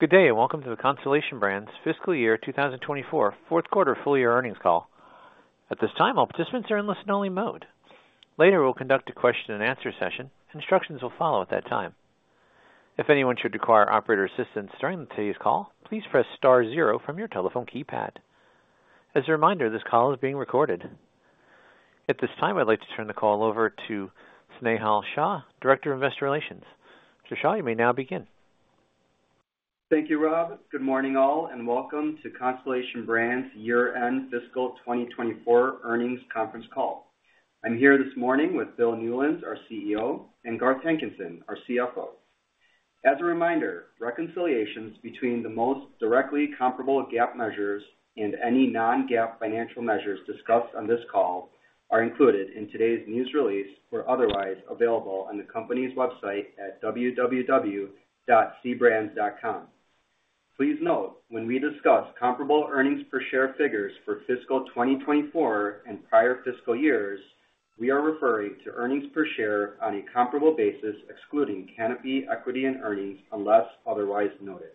Good day, and welcome to the Constellation Brands fiscal year 2024 fourth quarter full year earnings call. At this time, all participants are in listen-only mode. Later, we'll conduct a question-and-answer session. Instructions will follow at that time. If anyone should require operator assistance during today's call, please press star zero from your telephone keypad. As a reminder, this call is being recorded. At this time, I'd like to turn the call over to Snehal Shah, Director of Investor Relations. So Snehal, you may now begin. Thank you, Rob. Good morning, all, and welcome to Constellation Brands' year-end fiscal 2024 earnings conference call. I'm here this morning with Bill Newlands, our CEO, and Garth Hankinson, our CFO. As a reminder, reconciliations between the most directly comparable GAAP measures and any non-GAAP financial measures discussed on this call are included in today's news release or otherwise available on the company's website at www.cbrands.com. Please note, when we discuss comparable earnings per share figures for fiscal 2024 and prior fiscal years, we are referring to earnings per share on a comparable basis, excluding Canopy equity and earnings, unless otherwise noted.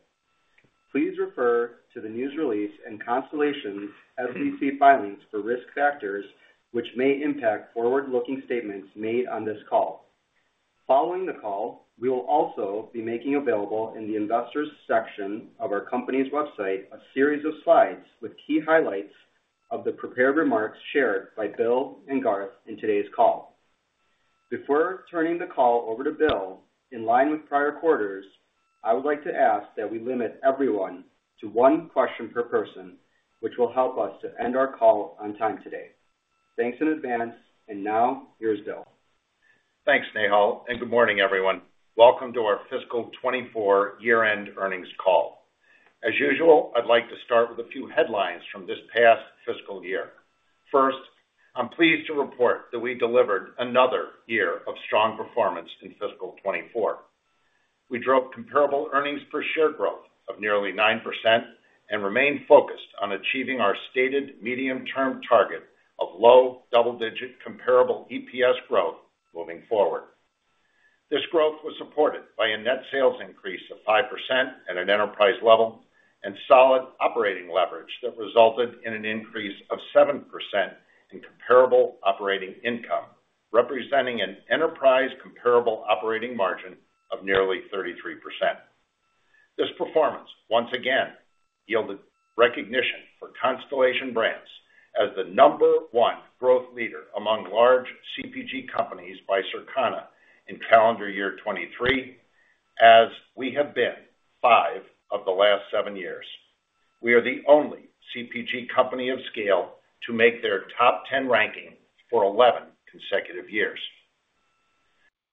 Please refer to the news release and Constellation's SEC filings for risk factors, which may impact forward-looking statements made on this call. Following the call, we will also be making available in the Investors section of our company's website, a series of slides with key highlights of the prepared remarks shared by Bill and Garth in today's call. Before turning the call over to Bill, in line with prior quarters, I would like to ask that we limit everyone to one question per person, which will help us to end our call on time today. Thanks in advance, and now here's Bill. Thanks, Snehal, and good morning, everyone. Welcome to our fiscal 2024 year-end earnings call. As usual, I'd like to start with a few headlines from this past fiscal year. First, I'm pleased to report that we delivered another year of strong performance in fiscal 2024. We drove comparable earnings per share growth of nearly 9% and remained focused on achieving our stated medium-term target of low double-digit comparable EPS growth moving forward. This growth was supported by a net sales increase of 5% at an enterprise level and solid operating leverage that resulted in an increase of 7% in comparable operating income, representing an enterprise comparable operating margin of nearly 33%. This performance once again yielded recognition for Constellation Brands as the number one growth leader among large CPG companies by Circana in calendar year 2023, as we have been five of the last seven years. We are the only CPG company of scale to make their top ten ranking for 11 consecutive years.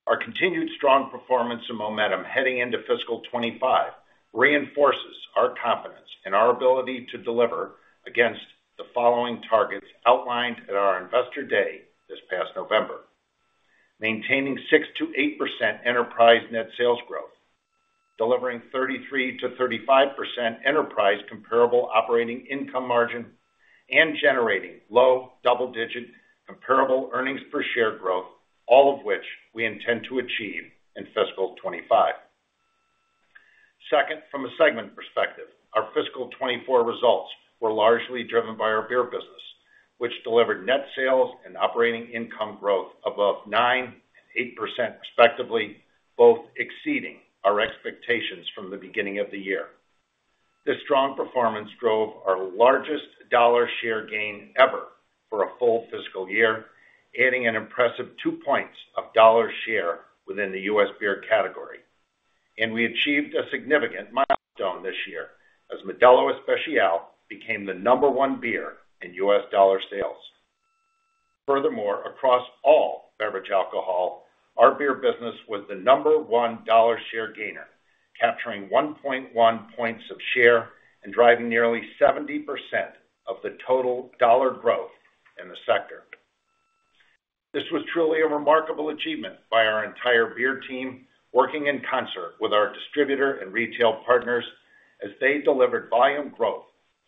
Our continued strong performance and momentum heading into fiscal 2025 reinforces our confidence in our ability to deliver against the following targets outlined at our Investor Day this past November: maintaining 6%-8% enterprise net sales growth, delivering 33%-35% enterprise comparable operating income margin, and generating low double-digit comparable earnings per share growth, all of which we intend to achieve in fiscal 2025. Second, from a segment perspective, our fiscal 2024 results were largely driven by our beer business, which delivered net sales and operating income growth above 9% and 8%, respectively, both exceeding our expectations from the beginning of the year. This strong performance drove our largest dollar share gain ever for a full fiscal year, adding an impressive two points of dollar share within the U.S. beer category. We achieved a significant milestone this year, as Modelo Especial became the number one beer in U.S. dollar sales. Furthermore, across all beverage alcohol, our beer business was the number one dollar share gainer, capturing 1.1 points of share and driving nearly 70% of the total dollar growth in the sector. This was truly a remarkable achievement by our entire beer team, working in concert with our distributor and retail partners as they delivered volume growth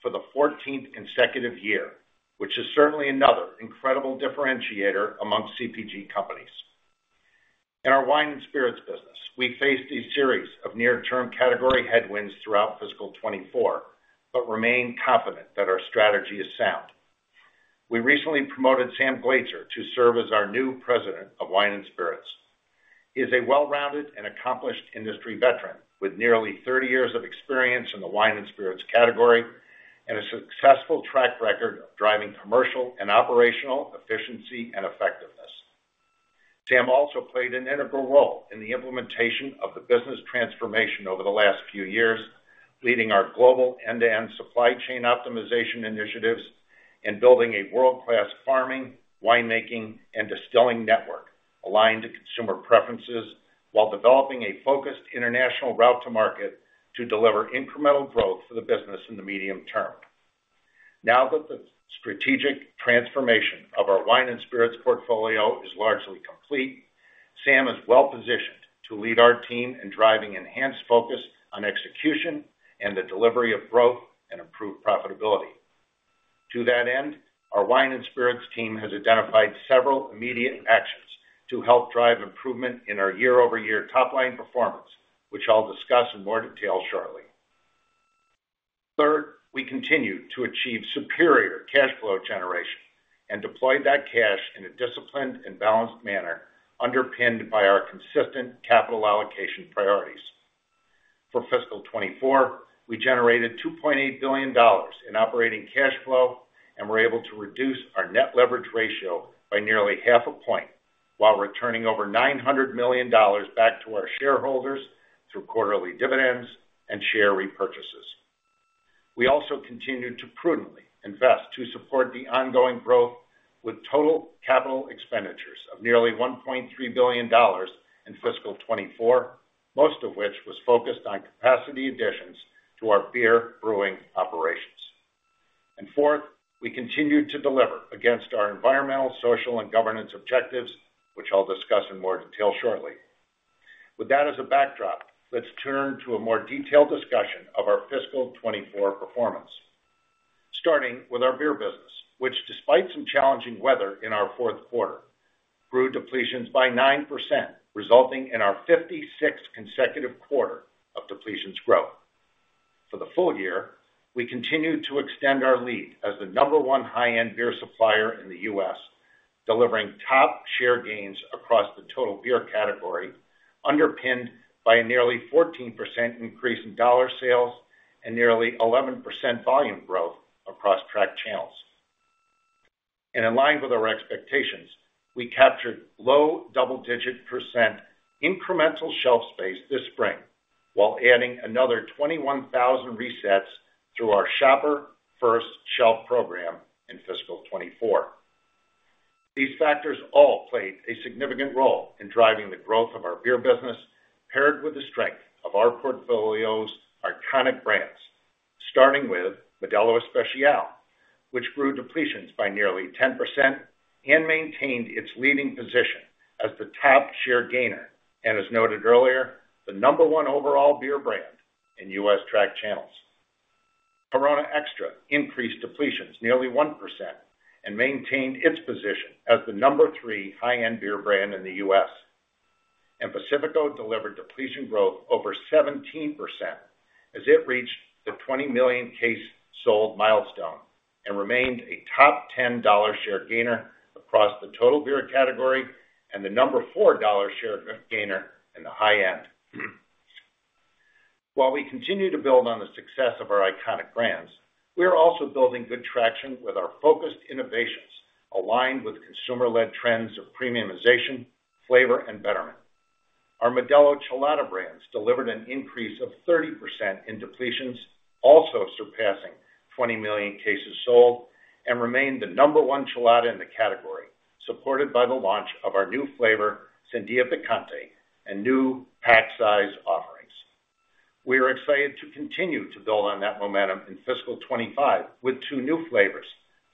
for the fourteenth consecutive year, which is certainly another incredible differentiator among CPG companies. In our wine and spirits business, we faced a series of near-term category headwinds throughout fiscal 2024, but remain confident that our strategy is sound. We recently promoted Sam Glaetzer to serve as our new President of Wine and Spirits. He is a well-rounded and accomplished industry veteran, with nearly 30 years of experience in the wine and spirits category and a successful track record of driving commercial and operational efficiency and effectiveness. Sam also played an integral role in the implementation of the business transformation over the last few years, leading our global end-to-end supply chain optimization initiatives and building a world-class farming, winemaking, and distilling network aligned to consumer preferences, while developing a focused international route to market to deliver incremental growth for the business in the medium term. Now that the strategic transformation of our wine and spirits portfolio is largely complete, Sam is well-positioned to lead our team in driving enhanced focus on execution and the delivery of growth and improved profitability.... To that end, our wine and spirits team has identified several immediate actions to help drive improvement in our year-over-year top-line performance, which I'll discuss in more detail shortly. Third, we continued to achieve superior cash flow generation and deployed that cash in a disciplined and balanced manner, underpinned by our consistent capital allocation priorities. For fiscal 2024, we generated $2.8 billion in operating cash flow, and were able to reduce our net leverage ratio by nearly half a point, while returning over $900 million back to our shareholders through quarterly dividends and share repurchases. We also continued to prudently invest to support the ongoing growth, with total capital expenditures of nearly $1.3 billion in fiscal 2024, most of which was focused on capacity additions to our beer brewing operations. And fourth, we continued to deliver against our environmental, social, and governance objectives, which I'll discuss in more detail shortly. With that as a backdrop, let's turn to a more detailed discussion of our fiscal 2024 performance. Starting with our beer business, which despite some challenging weather in our fourth quarter, grew depletions by 9%, resulting in our 56th consecutive quarter of depletions growth. For the full year, we continued to extend our lead as the number one high-end beer supplier in the U.S., delivering top share gains across the total beer category, underpinned by a nearly 14% increase in dollar sales and nearly 11% volume growth across tracked channels. In line with our expectations, we captured low double-digit % incremental shelf space this spring, while adding another 21,000 resets through our Shopper First Shelf program in fiscal 2024. These factors all played a significant role in driving the growth of our beer business, paired with the strength of our portfolio's iconic brands, starting with Modelo Especial, which grew depletions by nearly 10% and maintained its leading position as the top share gainer, and as noted earlier, the number one overall beer brand in U.S. track channels. Corona Extra increased depletions nearly 1% and maintained its position as the number three high-end beer brand in the U.S. Pacifico delivered depletion growth over 17%, as it reached the 20 million cases sold milestone, and remained a top 10 dollar share gainer across the total beer category, and the number four dollar share gainer in the high-end. While we continue to build on the success of our iconic brands, we are also building good traction with our focused innovations, aligned with consumer-led trends of premiumization, flavor, and betterment. Our Modelo Chelada brands delivered an increase of 30% in depletions, also surpassing 20 million cases sold, and remained the number one Chelada in the category, supported by the launch of our new flavor, Sandía Picante, and new pack size offerings. We are excited to continue to build on that momentum in fiscal 2025 with two new flavors,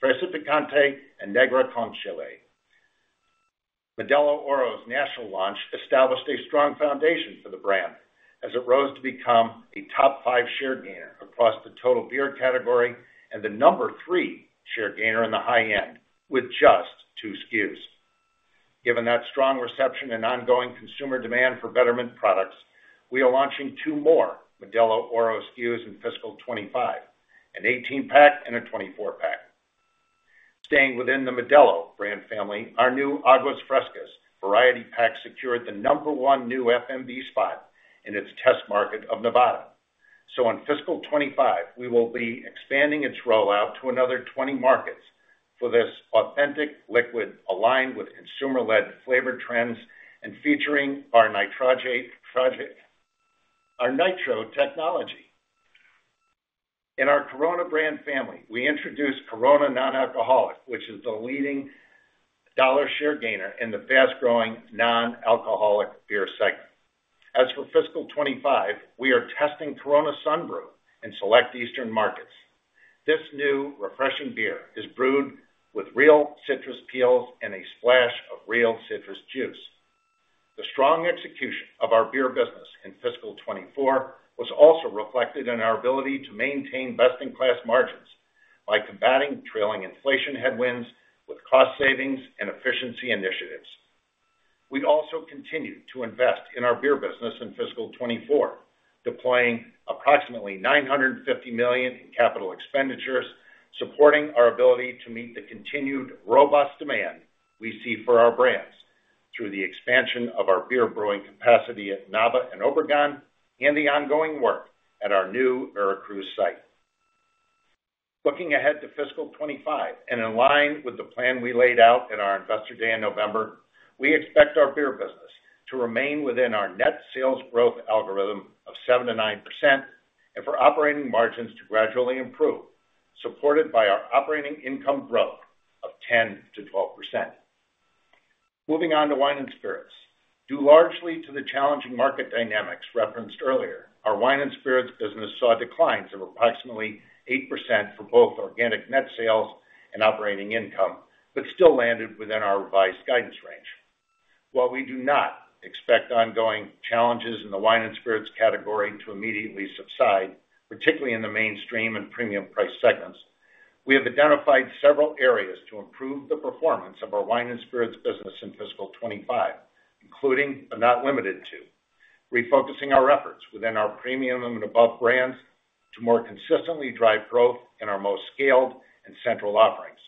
Fresa Picante and Negra con Chile. Modelo Oro's national launch established a strong foundation for the brand, as it rose to become a top five share gainer across the total beer category, and the number three share gainer in the high end, with just two SKUs. Given that strong reception and ongoing consumer demand for betterment products, we are launching two more Modelo Oro SKUs in fiscal 2025, an 18-pack and a 24-pack. Staying within the Modelo brand family, our new Aguas Frescas variety pack secured the number 1 new FMB spot in its test market of Nevada. So in fiscal 2025, we will be expanding its rollout to another 20 markets for this authentic liquid aligned with consumer-led flavor trends and featuring our Nitro Tech, our Nitro technology. In our Corona brand family, we introduced Corona Non-Alcoholic, which is the leading dollar share gainer in the fast-growing non-alcoholic beer segment. As for fiscal 2025, we are testing Corona Sunbrew in select Eastern markets. This new refreshing beer is brewed with real citrus peels and a splash of real citrus juice. The strong execution of our beer business in fiscal 2024 was also reflected in our ability to maintain best-in-class margins by combating trailing inflation headwinds with cost savings and efficiency initiatives. We also continued to invest in our beer business in fiscal 2024, deploying approximately $950 million in capital expenditures, supporting our ability to meet the continued robust demand we see for our brands through the expansion of our beer brewing capacity at Nava and Obregón, and the ongoing work at our new Veracruz site. Looking ahead to fiscal 2025, and in line with the plan we laid out in our Investor Day in November, we expect our beer business to remain within our net sales growth algorithm of 7%-9%, and for operating margins to gradually improve, supported by our operating income growth of 10%-12%. Moving on to wine and spirits. Due largely to the challenging market dynamics referenced earlier, our wine and spirits business saw declines of approximately 8% for both organic net sales and operating income, but still landed within our revised guidance range. While we do not expect ongoing challenges in the wine and spirits category to immediately subside, particularly in the mainstream and premium price segments, we have identified several areas to improve the performance of our wine and spirits business in fiscal 25, including, but not limited to, refocusing our efforts within our premium and above brands to more consistently drive growth in our most scaled and central offerings,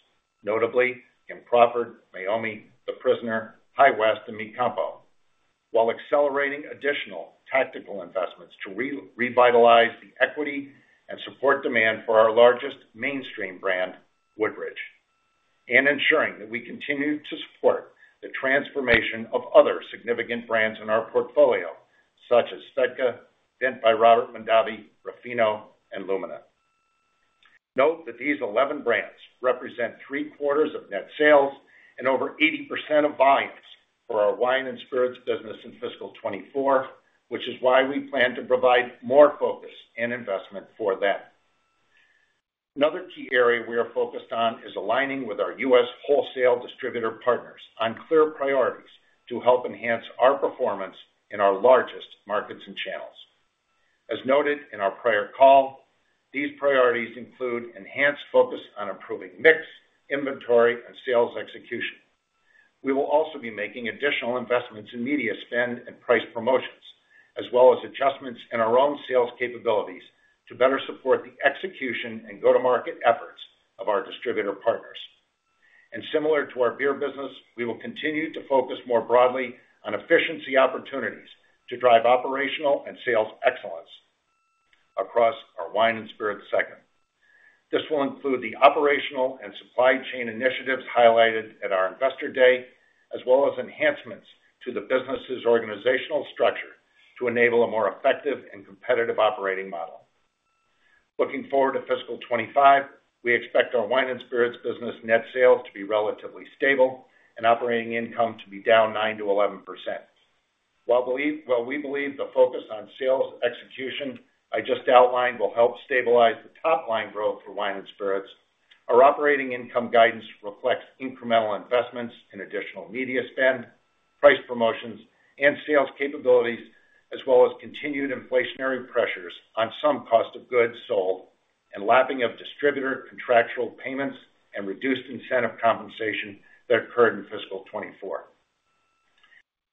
notably Kim Crawford, Meiomi, The Prisoner, High West, and Mi Campo, while accelerating additional tactical investments to revitalize the equity and support demand for our largest mainstream brand, Woodbridge, and ensuring that we continue to support the transformation of other significant brands in our portfolio, such as SVEDKA, and Robert Mondavi, Ruffino, and Lumina. Note that these 11 brands represent three-quarters of net sales and over 80% of volumes for our wine and spirits business in fiscal 2024, which is why we plan to provide more focus and investment for them. Another key area we are focused on is aligning with our U.S. wholesale distributor partners on clear priorities to help enhance our performance in our largest markets and channels. As noted in our prior call, these priorities include enhanced focus on improving mix, inventory, and sales execution. We will also be making additional investments in media spend and price promotions, as well as adjustments in our own sales capabilities to better support the execution and go-to-market efforts of our distributor partners. Similar to our beer business, we will continue to focus more broadly on efficiency opportunities to drive operational and sales excellence across our wine and spirits segment. This will include the Operational and Supply Chain Initiatives highlighted at our Investor Day, as well as enhancements to the business's organizational structure to enable a more effective and competitive operating model. Looking forward to fiscal 2025, we expect our wine and spirits business net sales to be relatively stable and operating income to be down 9%-11%. While we believe the focus on sales execution I just outlined will help stabilize the top line growth for wine and spirits, our operating income guidance reflects incremental investments in additional media spend, price promotions, and sales capabilities, as well as continued inflationary pressures on some cost of goods sold, and lapping of distributor contractual payments and reduced incentive compensation that occurred in fiscal 2024.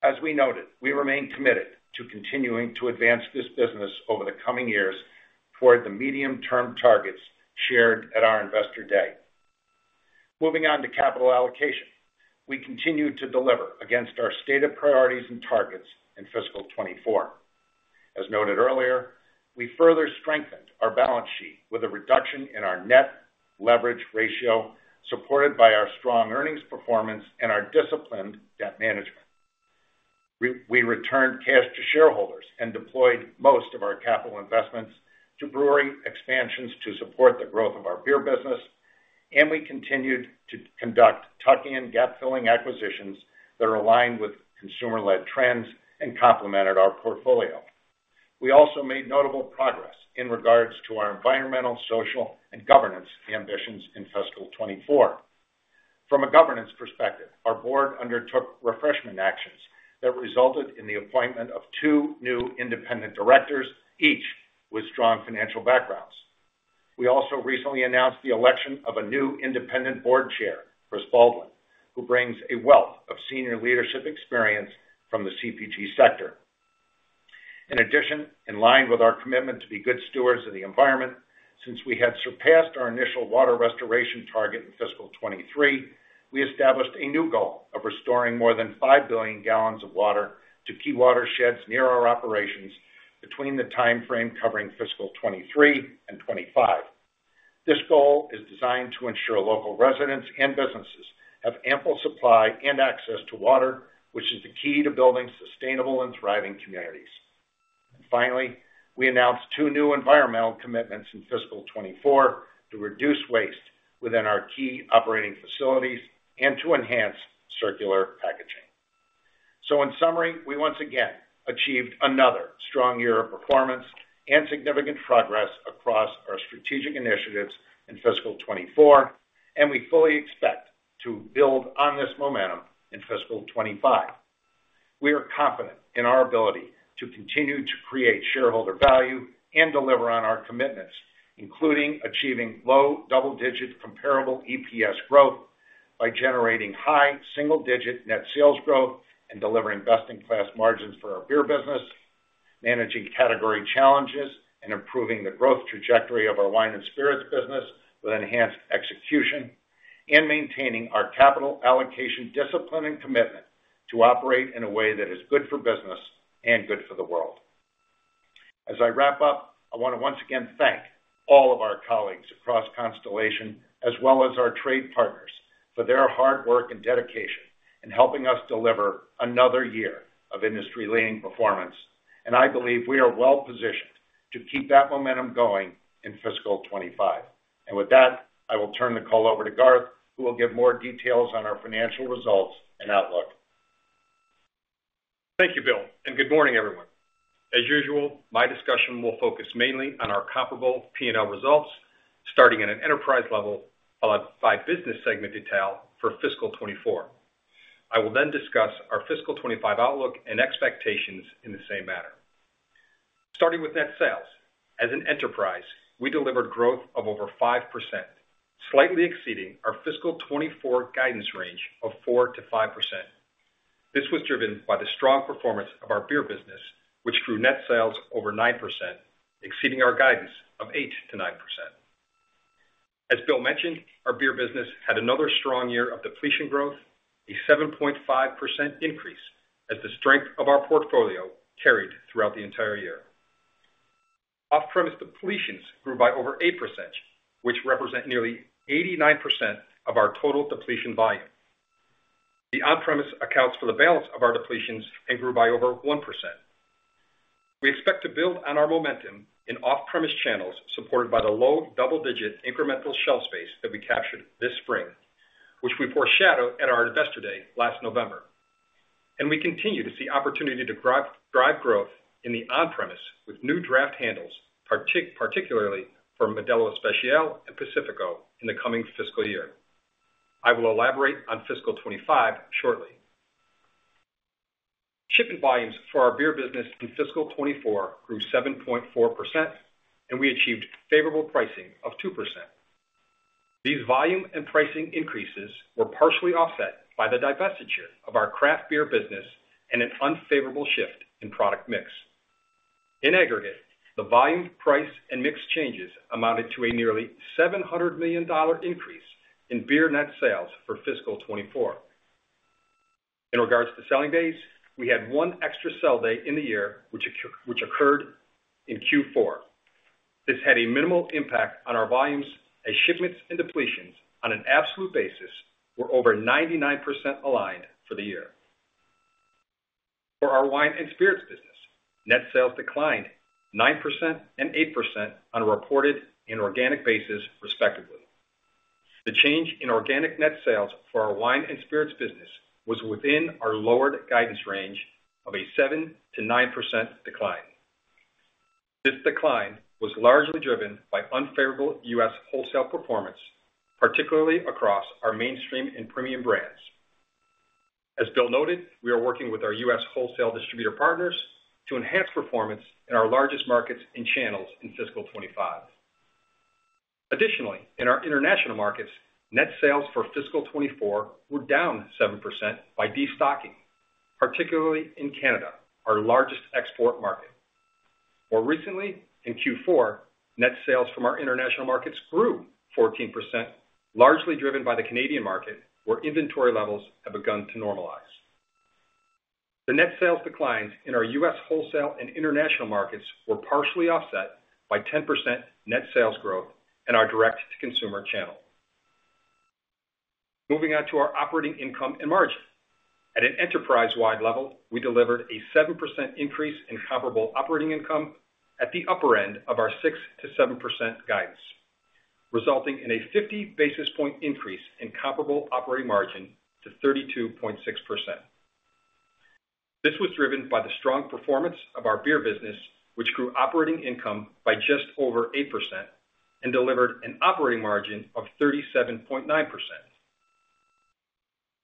As we noted, we remain committed to continuing to advance this business over the coming years toward the medium-term targets shared at our Investor Day. Moving on to capital allocation. We continued to deliver against our stated priorities and targets in fiscal 2024. As noted earlier, we further strengthened our balance sheet with a reduction in our net leverage ratio, supported by our strong earnings performance and our Disciplined Debt Management. We returned cash to shareholders and deployed most of our capital investments to brewery expansions to support the growth of our beer business, and we continued to conduct tuck-in and gap-filling acquisitions that are aligned with consumer-led trends and complemented our portfolio. We also made notable progress in regards to our environmental, social, and governance ambitions in fiscal 2024. From a governance perspective, our board undertook refreshment actions that resulted in the appointment of two new independent directors, each with strong financial backgrounds. We also recently announced the election of a new independent board chair, Chris Baldwin, who brings a wealth of senior leadership experience from the CPG sector. In addition, in line with our commitment to be good stewards of the environment, since we had surpassed our initial water restoration target in fiscal 2023, we established a new goal of restoring more than 5 billion gallons of water to key watersheds near our operations between the timeframe covering fiscal 2023 and 2025. This goal is designed to ensure local residents and businesses have ample supply and access to water, which is the key to building sustainable and thriving communities. And finally, we announced two new environmental commitments in fiscal 2024 to reduce waste within our key operating facilities and to enhance circular packaging. So in summary, we once again achieved another strong year of performance and significant progress across our strategic initiatives in fiscal 2024, and we fully expect to build on this momentum in fiscal 2025. We are confident in our ability to continue to create shareholder value and deliver on our commitments, including achieving low double-digit comparable EPS growth by generating high single-digit net sales growth and delivering best-in-class margins for our beer business, managing category challenges, and improving the growth trajectory of our wine and spirits business with enhanced execution, and maintaining our capital allocation discipline and commitment to operate in a way that is good for business and good for the world. As I wrap up, I want to once again thank all of our colleagues across Constellation, as well as our trade partners, for their hard work and dedication in helping us deliver another year of industry-leading performance. I believe we are well-positioned to keep that momentum going in fiscal 25. With that, I will turn the call over to Garth, who will give more details on our financial results and outlook. Thank you, Bill, and good morning, everyone. As usual, my discussion will focus mainly on our comparable P&L results, starting at an enterprise level, followed by business segment detail for fiscal 2024. I will then discuss our fiscal 2025 outlook and expectations in the same manner. Starting with net sales, as an enterprise, we delivered growth of over 5%, slightly exceeding our fiscal 2024 guidance range of 4%-5%. This was driven by the strong performance of our beer business, which grew net sales over 9%, exceeding our guidance of 8%-9%. As Bill mentioned, our beer business had another strong year of depletion growth, a 7.5% increase, as the strength of our portfolio carried throughout the entire year. Off-premise depletions grew by over 8%, which represent nearly 89% of our total depletion volume. The on-premise accounts for the balance of our depletions and grew by over 1%. We expect to build on our momentum in off-premise channels, supported by the low double-digit incremental shelf space that we captured this spring, which we foreshadowed at our Investor Day last November. We continue to see opportunity to drive growth in the on-premise with new draft handles, particularly for Modelo Especial and Pacifico in the coming fiscal year. I will elaborate on fiscal 2025 shortly. Shipping volumes for our beer business in fiscal 2024 grew 7.4%, and we achieved favorable pricing of 2%. These volume and pricing increases were partially offset by the divestiture of our craft beer business and an unfavorable shift in product mix. In aggregate, the volume, price, and mix changes amounted to a nearly $700 million dollar increase in beer net sales for fiscal 2024. In regards to selling days, we had 1 extra sell day in the year, which occurred in Q4. This had a minimal impact on our volumes as shipments and depletions on an absolute basis were over 99% aligned for the year. For our wine and spirits business, net sales declined 9% and 8% on a reported and organic basis, respectively. The change in organic net sales for our wine and spirits business was within our lowered guidance range of a 7%-9% decline. This decline was largely driven by unfavorable U.S. wholesale performance, particularly across our mainstream and premium brands. As Bill noted, we are working with our U.S. wholesale distributor partners to enhance performance in our largest markets and channels in fiscal 2025. Additionally, in our international markets, net sales for fiscal 2024 were down 7% by destocking, particularly in Canada, our largest export market. More recently, in Q4, net sales from our international markets grew 14%, largely driven by the Canadian market, where inventory levels have begun to normalize. The net sales declines in our U.S. wholesale and international markets were partially offset by 10% net sales growth in our direct-to-consumer channel. Moving on to our operating income and margin. At an enterprise-wide level, we delivered a 7% increase in comparable operating income at the upper end of our 6%-7% guidance, resulting in a 50 basis point increase in comparable operating margin to 32.6%. This was driven by the strong performance of our beer business, which grew operating income by just over 8% and delivered an operating margin of 37.9%.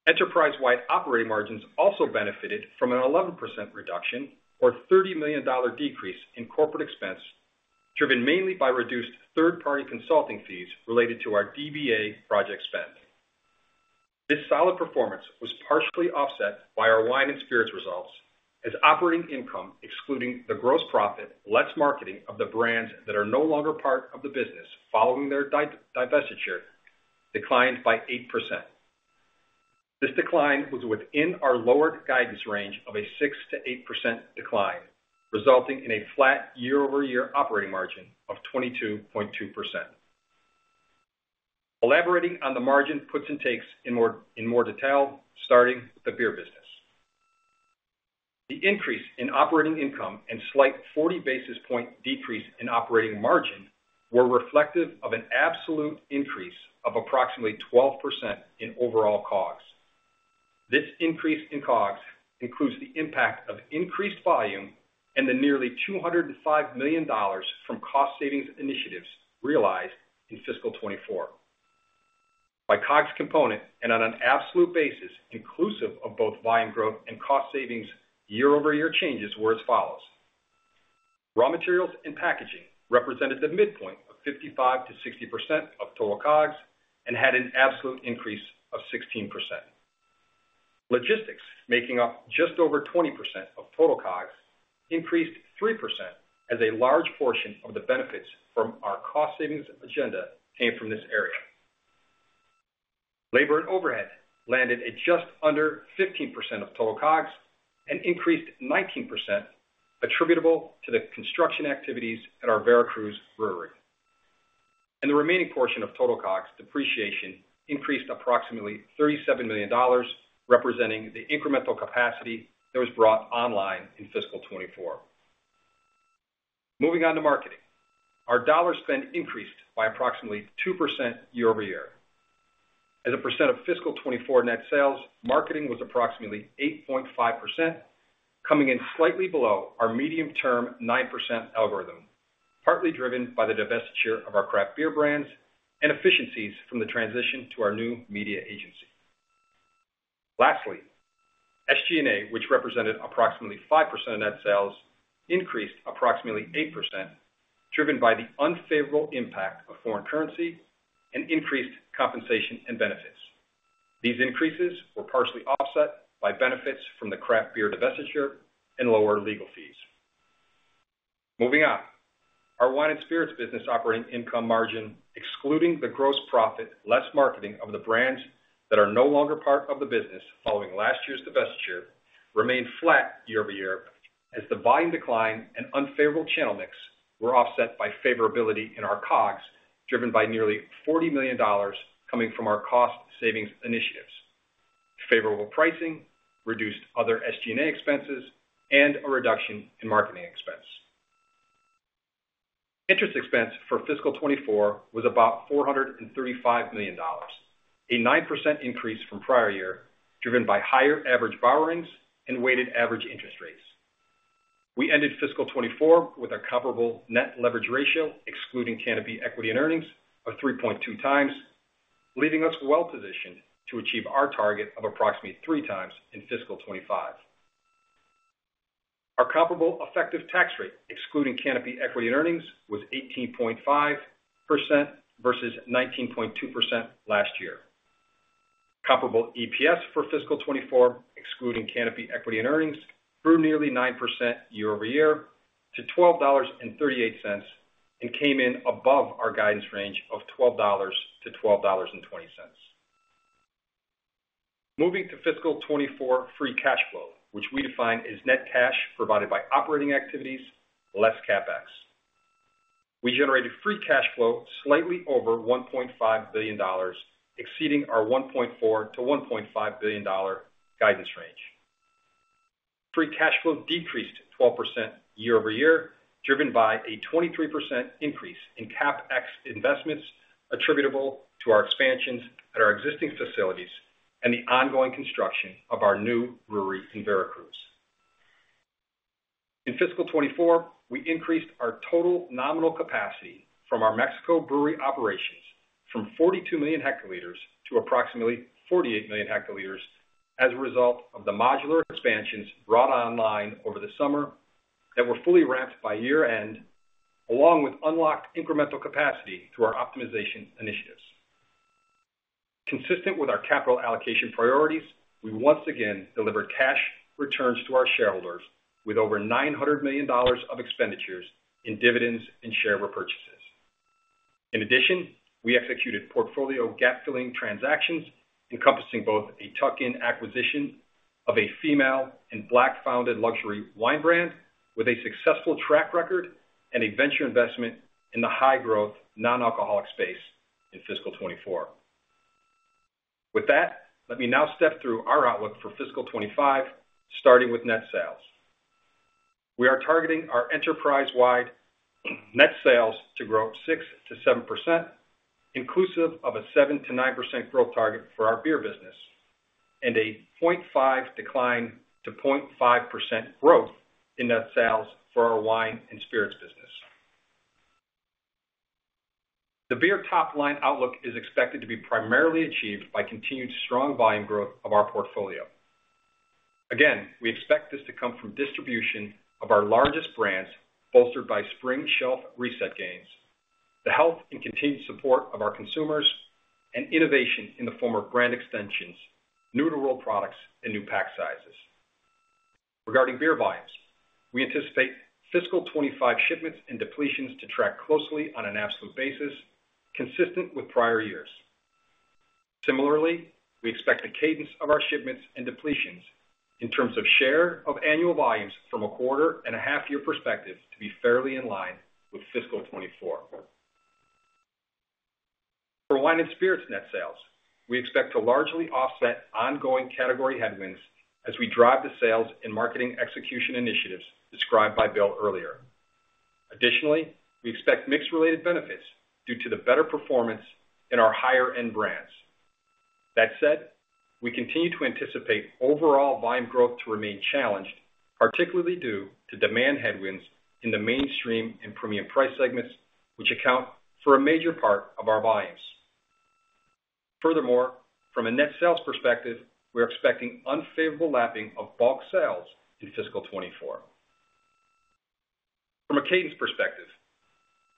Enterprise-wide operating margins also benefited from an 11% reduction or $30 million decrease in corporate expense, driven mainly by reduced third-party consulting fees related to our DBA project spend. This solid performance was partially offset by our wine and spirits results, as operating income, excluding the gross profit, less marketing of the brands that are no longer part of the business following their divestiture, declined by 8%. This decline was within our lowered guidance range of a 6%-8% decline, resulting in a flat year-over-year operating margin of 22.2%. Elaborating on the margin puts and takes in more detail, starting with the beer business. The increase in operating income and slight 40 basis point decrease in operating margin were reflective of an absolute increase of approximately 12% in overall costs. This increase in COGS includes the impact of increased volume and the nearly $205 million from cost savings initiatives realized in fiscal 2024. By COGS component and on an absolute basis, inclusive of both volume growth and cost savings, year-over-year changes were as follows: Raw materials and packaging represented the midpoint of 55%-60% of total COGS and had an absolute increase of 16%. Logistics, making up just over 20% of total COGS, increased 3%, as a large portion of the benefits from our cost savings agenda came from this area. Labor and overhead landed at just under 15% of total COGS and increased 19%, attributable to the construction activities at our Veracruz Brewery. The remaining portion of total COGS, depreciation, increased approximately $37 million, representing the incremental capacity that was brought online in fiscal 2024. Moving on to marketing. Our dollar spend increased by approximately 2% year-over-year. As a percent of fiscal 2024 net sales, marketing was approximately 8.5%, coming in slightly below our medium-term 9% algorithm, partly driven by the divestiture of our craft beer brands and efficiencies from the transition to our new media agency. Lastly, SG&A, which represented approximately 5% of net sales, increased approximately 8%, driven by the unfavorable impact of foreign currency and increased compensation and benefits. These increases were partially offset by benefits from the craft beer divestiture and lower legal fees. Moving on. Our wine and spirits business operating income margin, excluding the gross profit, less marketing of the brands that are no longer part of the business following last year's divestiture, remained flat year-over-year, as the volume decline and unfavorable channel mix were offset by favorability in our COGS, driven by nearly $40 million coming from our cost savings initiatives, favorable pricing, reduced other SG&A expenses, and a reduction in marketing expense. Interest expense for fiscal 2024 was about $435 million, a 9% increase from prior year, driven by higher average borrowings and weighted average interest rates. We ended fiscal 2024 with a comparable net leverage ratio, excluding Canopy equity and earnings, of 3.2x, leaving us well-positioned to achieve our target of approximately 3x in fiscal 2025. Our comparable effective tax rate, excluding Canopy equity and earnings, was 18.5% versus 19.2% last year. Comparable EPS for fiscal 2024, excluding Canopy equity and earnings, grew nearly 9% year-over-year to $12.38, and came in above our guidance range of $12-$12.20. Moving to fiscal 2024 free cash flow, which we define as net cash provided by operating activities, less CapEx. We generated free cash flow slightly over $1.5 billion, exceeding our $1.4 billion-$1.5 billion guidance range. Free cash flow decreased 12% year-over-year, driven by a 23% increase in CapEx investments attributable to our expansions at our existing facilities and the ongoing construction of our new brewery in Veracruz. In fiscal 2024, we increased our total nominal capacity from our Mexico brewery operations from 42 million hectoliters to approximately 48 million hectoliters as a result of the modular expansions brought online over the summer that were fully ramped by year-end, along with unlocked incremental capacity through our optimization initiatives. Consistent with our capital allocation priorities, we once again delivered cash returns to our shareholders with over $900 million of expenditures in dividends and share repurchases. In addition, we executed portfolio gap-filling transactions, encompassing both a tuck-in acquisition of a female and Black-founded luxury wine brand with a successful track record and a venture investment in the high-growth non-alcoholic space in fiscal 2024. With that, let me now step through our outlook for fiscal 2025, starting with net sales. We are targeting our enterprise-wide net sales to grow 6%-7%, inclusive of a 7%-9% growth target for our beer business, and a 0.5% decline to 0.5% growth in net sales for our wine and spirits business. The beer top-line outlook is expected to be primarily achieved by continued strong volume growth of our portfolio. Again, we expect this to come from distribution of our largest brands, bolstered by spring shelf reset gains, the health and continued support of our consumers, and innovation in the form of brand extensions, new-to-world products, and new pack sizes. Regarding beer volumes, we anticipate fiscal 2025 shipments and depletions to track closely on an absolute basis, consistent with prior years. Similarly, we expect the cadence of our shipments and depletions in terms of share of annual volumes from a quarter and a half-year perspective to be fairly in line with fiscal 2024. For wine and spirits net sales, we expect to largely offset ongoing category headwinds as we drive the sales and marketing execution initiatives described by Bill earlier. Additionally, we expect mix-related benefits due to the better performance in our higher-end brands. That said, we continue to anticipate overall volume growth to remain challenged, particularly due to demand headwinds in the mainstream and premium price segments, which account for a major part of our volumes. Furthermore, from a net sales perspective, we're expecting unfavorable lapping of bulk sales in fiscal 2024. From a cadence perspective,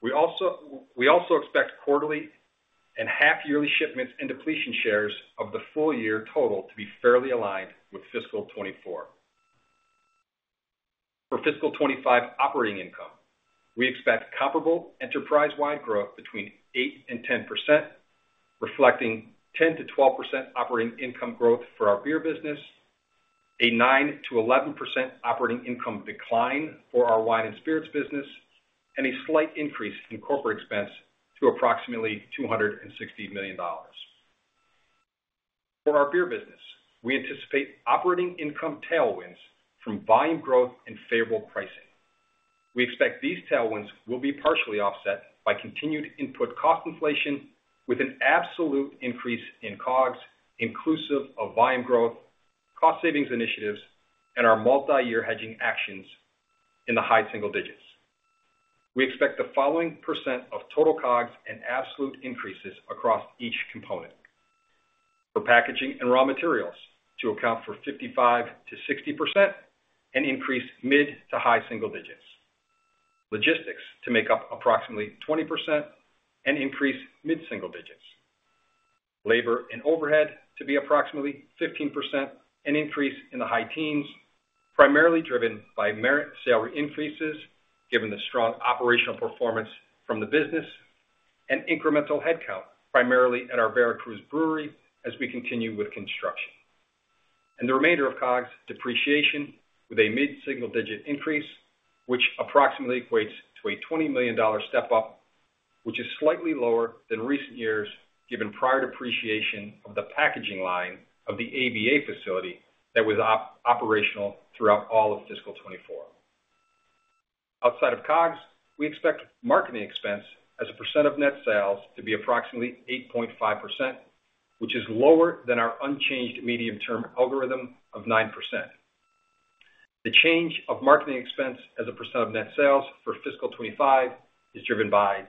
we also expect quarterly and half-yearly shipments and depletion shares of the full year total to be fairly aligned with fiscal 2024. For fiscal 2025 operating income, we expect comparable enterprise-wide growth between 8% and 10%, reflecting 10%-12% operating income growth for our beer business, a 9%-11% operating income decline for our wine and spirits business, and a slight increase in corporate expense to approximately $260 million. For our beer business, we anticipate operating income tailwinds from volume growth and favorable pricing. We expect these tailwinds will be partially offset by continued input cost inflation, with an absolute increase in COGS, inclusive of volume growth, cost savings initiatives, and our multi-year hedging actions in the high single digits. We expect the following percent of total COGS and absolute increases across each component. For packaging and raw materials to account for 55%-60% and increase mid to high single digits. Logistics to make up approximately 20% and increase mid-single digits. Labor and overhead to be approximately 15%, an increase in the high teens, primarily driven by merit salary increases, given the strong operational performance from the business, and incremental headcount, primarily at our Veracruz Brewery, as we continue with construction. The remainder of COGS depreciation, with a mid-single digit increase, which approximately equates to a $20 million step-up, which is slightly lower than recent years, given prior depreciation of the packaging line of the ABA facility that was operational throughout all of fiscal 2024. Outside of COGS, we expect marketing expense as a percent of net sales to be approximately 8.5%, which is lower than our unchanged medium-term algorithm of 9%. The change of marketing expense as a percent of net sales for fiscal 2025 is driven by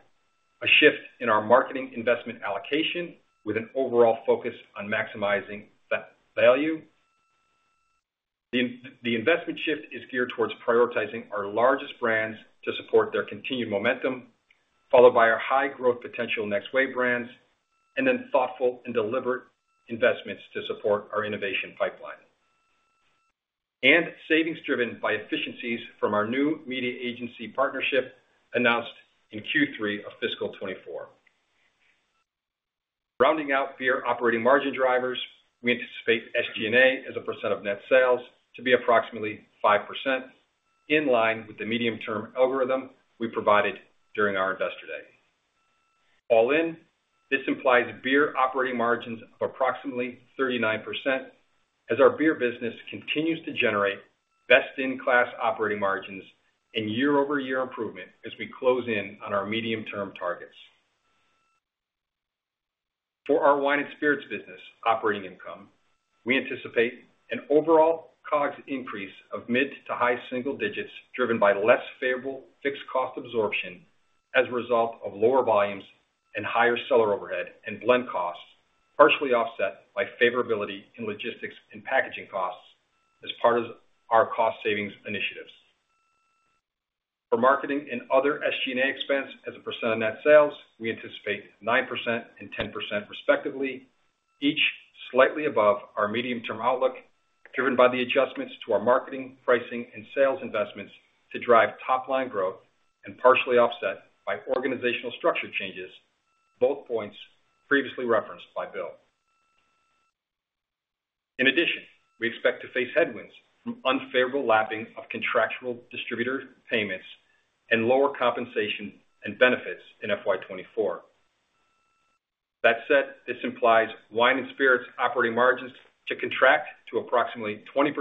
a shift in our marketing investment allocation, with an overall focus on maximizing that value. The investment shift is geared towards prioritizing our largest brands to support their continued momentum, followed by our high growth potential next wave brands, and then thoughtful and deliberate investments to support our innovation pipeline. And savings driven by efficiencies from our new media agency partnership announced in Q3 of fiscal 2024. Rounding out beer operating margin drivers, we anticipate SG&A as a percent of net sales to be approximately 5%, in line with the medium-term algorithm we provided during our Investor Day. All in, this implies beer operating margins of approximately 39%, as our beer business continues to generate best-in-class operating margins and year-over-year improvement as we close in on our medium-term targets. For our wine and spirits business operating income, we anticipate an overall COGS increase of mid- to high-single-digits, driven by less favorable fixed cost absorption as a result of lower volumes and higher seller overhead and blend costs, partially offset by favorability in logistics and packaging costs as part of our cost savings initiatives. For marketing and other SG&A expense as a percent of net sales, we anticipate 9% and 10% respectively, each slightly above our medium-term outlook, driven by the adjustments to our marketing, pricing, and sales investments to drive top-line growth and partially offset by organizational structure changes, both points previously referenced by Bill. In addition, we expect to face headwinds from unfavorable lapping of contractual distributor payments and lower compensation and benefits in FY 2024. That said, this implies wine and spirits operating margins to contract to approximately 20%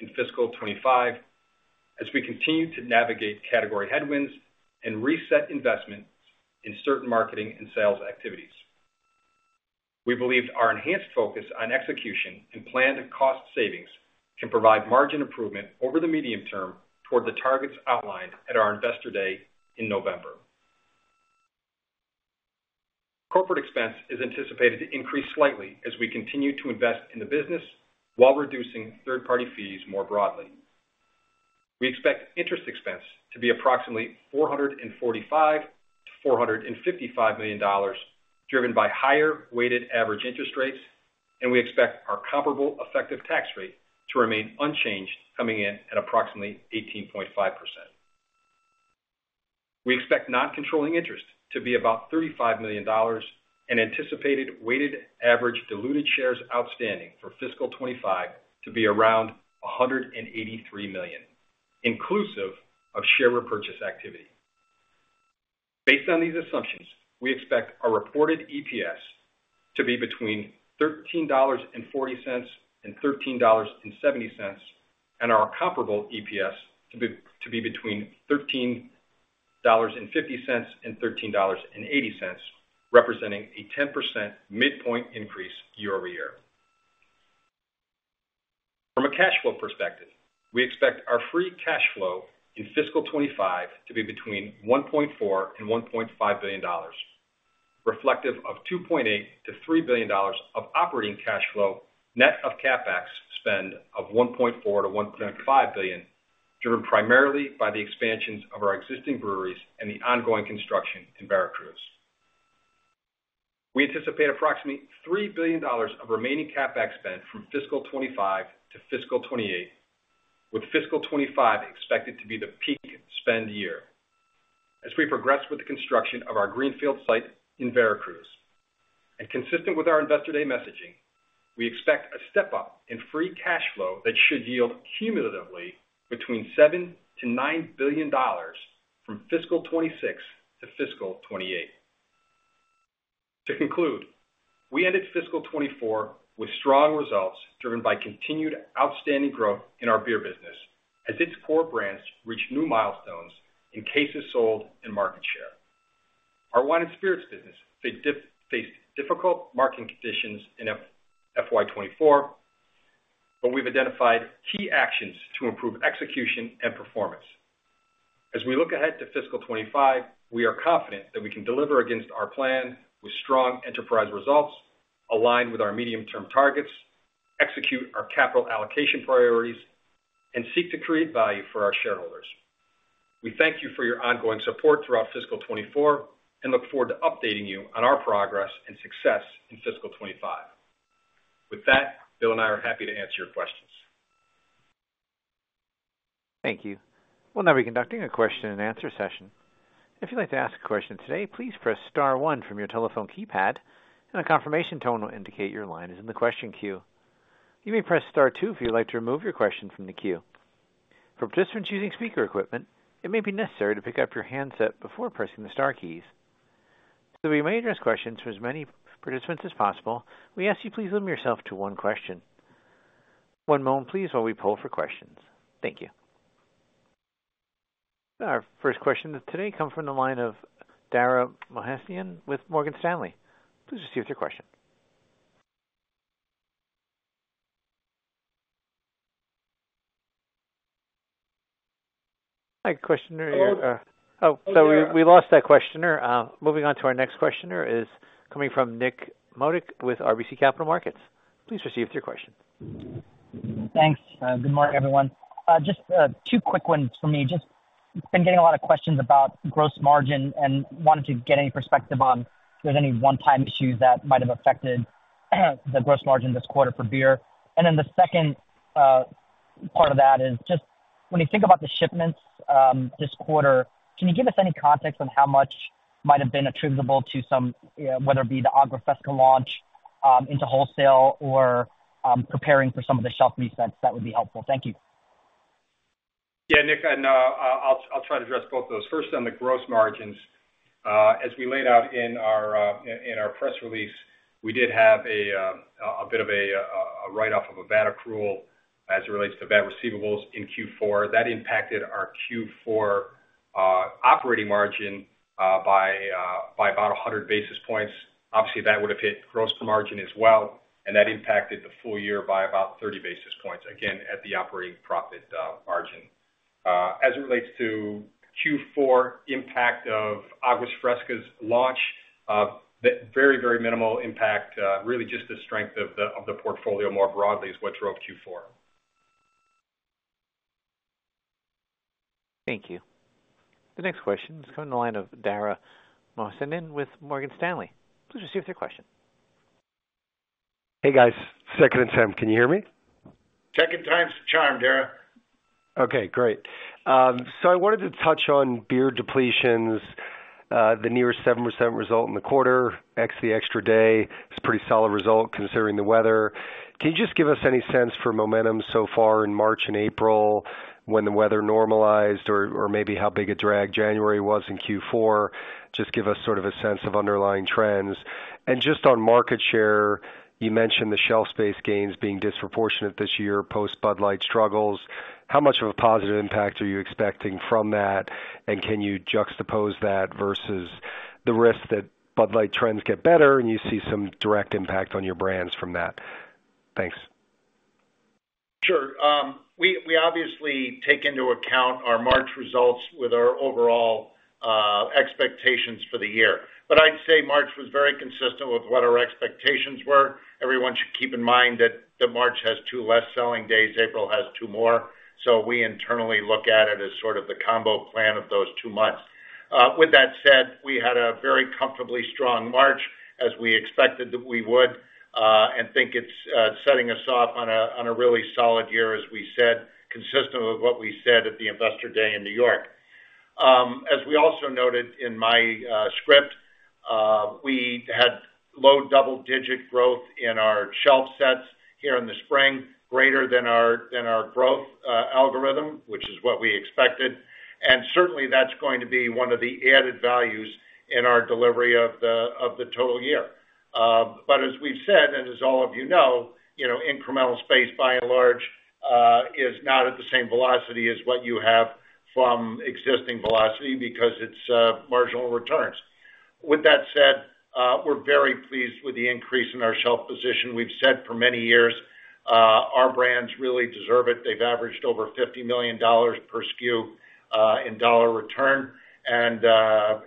in fiscal 2025, as we continue to navigate category headwinds and reset investment in certain marketing and sales activities. We believe our enhanced focus on execution and planned cost savings can provide margin improvement over the medium term toward the targets outlined at our Investor Day in November. Corporate expense is anticipated to increase slightly as we continue to invest in the business while reducing third-party fees more broadly. We expect interest expense to be approximately $445 million-$455 million, driven by higher weighted average interest rates, and we expect our comparable effective tax rate to remain unchanged, coming in at approximately 18.5%. We expect non-controlling interest to be about $35 million, and anticipated weighted average diluted shares outstanding for fiscal 2025 to be around 183 million, inclusive of share repurchase activity. Based on these assumptions, we expect our reported EPS to be between $13.40 and $13.70, and our Comparable EPS to be between $13.50 and $13.80, representing a 10% midpoint increase year-over-year. From a cash flow perspective, we expect our free cash flow in fiscal 2025 to be between $1.4 billion and $1.5 billion, reflective of $2.8 billion-$3 billion of operating cash flow, net of CapEx spend of $1.4 billion-$1.5 billion, driven primarily by the expansions of our existing breweries and the ongoing construction in Veracruz. We anticipate approximately $3 billion of remaining CapEx spend from fiscal 2025 to fiscal 2028, with fiscal 2025 expected to be the peak spend year as we progress with the construction of our greenfield site in Veracruz. And consistent with our Investor Day messaging, we expect a step-up in free cash flow that should yield cumulatively between $7 billion-$9 billion. From fiscal 2026 to fiscal 2028. To conclude, we ended fiscal 2024 with strong results, driven by continued outstanding growth in our beer business, as its core brands reached new milestones in cases sold and market share. Our wine and spirits business faced difficult marketing conditions in FY 2024, but we've identified key actions to improve execution and performance. As we look ahead to fiscal 2025, we are confident that we can deliver against our plan with strong enterprise results, aligned with our medium-term targets, execute our capital allocation priorities, and seek to create value for our shareholders. We thank you for your ongoing support throughout fiscal 2024, and look forward to updating you on our progress and success in fiscal 2025. With that, Bill and I are happy to answer your questions. Thank you. We'll now be conducting a question and answer session. If you'd like to ask a question today, please press star one from your telephone keypad, and a confirmation tone will indicate your line is in the question queue. You may press star two if you'd like to remove your question from the queue. For participants using speaker equipment, it may be necessary to pick up your handset before pressing the star keys. So we may address questions to as many participants as possible, we ask you please limit yourself to one question. One moment please, while we poll for questions. Thank you. Our first question today come from the line of Dara Mohsenian with Morgan Stanley. Please proceed with your question. Hi, questioner. Oh, so we, we lost that questioner. Moving on to our next questioner is coming from Nik Modi with RBC Capital Markets. Please proceed with your question. Thanks. Good morning, everyone. Just two quick ones for me. Just been getting a lot of questions about gross margin and wanted to get any perspective on if there's any one-time issues that might have affected the gross margin this quarter for beer. And then the second part of that is just when you think about the shipments this quarter, can you give us any context on how much might have been attributable to some whether it be the Aguas Frescas launch into wholesale or preparing for some of the shelf resets? That would be helpful. Thank you. Yeah, Nik, and I'll try to address both of those. First, on the gross margins. As we laid out in our press release, we did have a bit of a write-off of a bad accrual as it relates to bad receivables in Q4. That impacted our Q4 operating margin by about 100 basis points. Obviously, that would have hit gross margin as well, and that impacted the full year by about 30 basis points, again, at the operating profit margin. As it relates to Q4 impact of Aguas Frescas's launch, the very, very minimal impact, really just the strength of the portfolio more broadly is what drove Q4. Thank you. The next question is coming in the line of Dara Mohsenian with Morgan Stanley. Please proceed with your question. Hey, guys. Second attempt. Can you hear me? Second time's the charm, Dara. Okay, great. So I wanted to touch on beer depletions. The near 7% result in the quarter, ex the extra day, is a pretty solid result considering the weather. Can you just give us any sense for momentum so far in March and April when the weather normalized or, or maybe how big a drag January was in Q4? Just give us sort of a sense of underlying trends. And just on market share, you mentioned the shelf space gains being disproportionate this year, post Bud Light struggles. How much of a positive impact are you expecting from that? And can you juxtapose that versus the risk that Bud Light trends get better, and you see some direct impact on your brands from that? Thanks. Sure. We obviously take into account our March results with our overall expectations for the year. But I'd say March was very consistent with what our expectations were. Everyone should keep in mind that the March has two less selling days, April has two more, so we internally look at it as sort of the combo plan of those two months. With that said, we had a very comfortably strong March as we expected that we would, and think it's setting us off on a really solid year, as we said, consistent with what we said at the Investor Day in New York. As we also noted in my script, we had low double-digit growth in our shelf sets here in the spring, greater than our growth algorithm, which is what we expected. Certainly, that's going to be one of the added values in our delivery of the total year. But as we've said, and as all of you know, you know, incremental space, by and large, is not at the same velocity as what you have from existing velocity because it's marginal returns. With that said, we're very pleased with the increase in our shelf position. We've said for many years, our brands really deserve it. They've averaged over $50 million per SKU in dollar return, and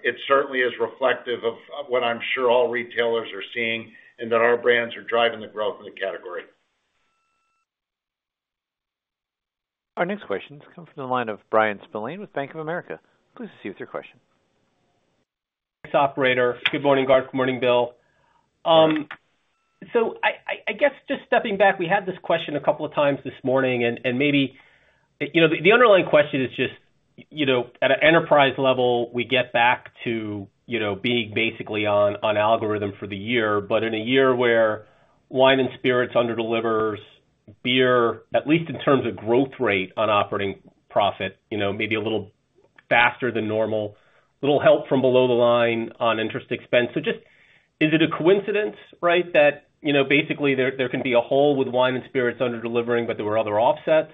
it certainly is reflective of what I'm sure all retailers are seeing, and that our brands are driving the growth in the category. Our next question has come from the line of Bryan Spillane with Bank of America. Please proceed with your question. Thanks, operator. Good morning, Garth. Good morning, Bill. So, I guess just stepping back, we had this question a couple of times this morning, and maybe, you know, the underlying question is just, you know, at an enterprise level, we get back to, you know, being basically on algorithm for the year. But in a year where wine and spirits under-delivers-... beer, at least in terms of growth rate on operating profit, you know, maybe a little faster than normal, a little help from below the line on interest expense. So just, is it a coincidence, right, that, you know, basically there can be a hole with wine and spirits under-delivering, but there were other offsets?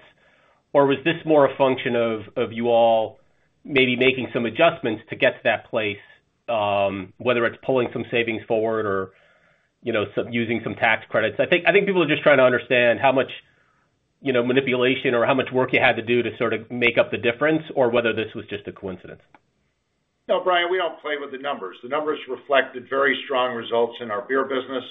Or was this more a function of you all maybe making some adjustments to get to that place, whether it's pulling some savings forward or, you know, some using some tax credits? I think people are just trying to understand how much, you know, manipulation or how much work you had to do to sort of make up the difference, or whether this was just a coincidence. No, Brian, we don't play with the numbers. The numbers reflected very strong results in our beer business.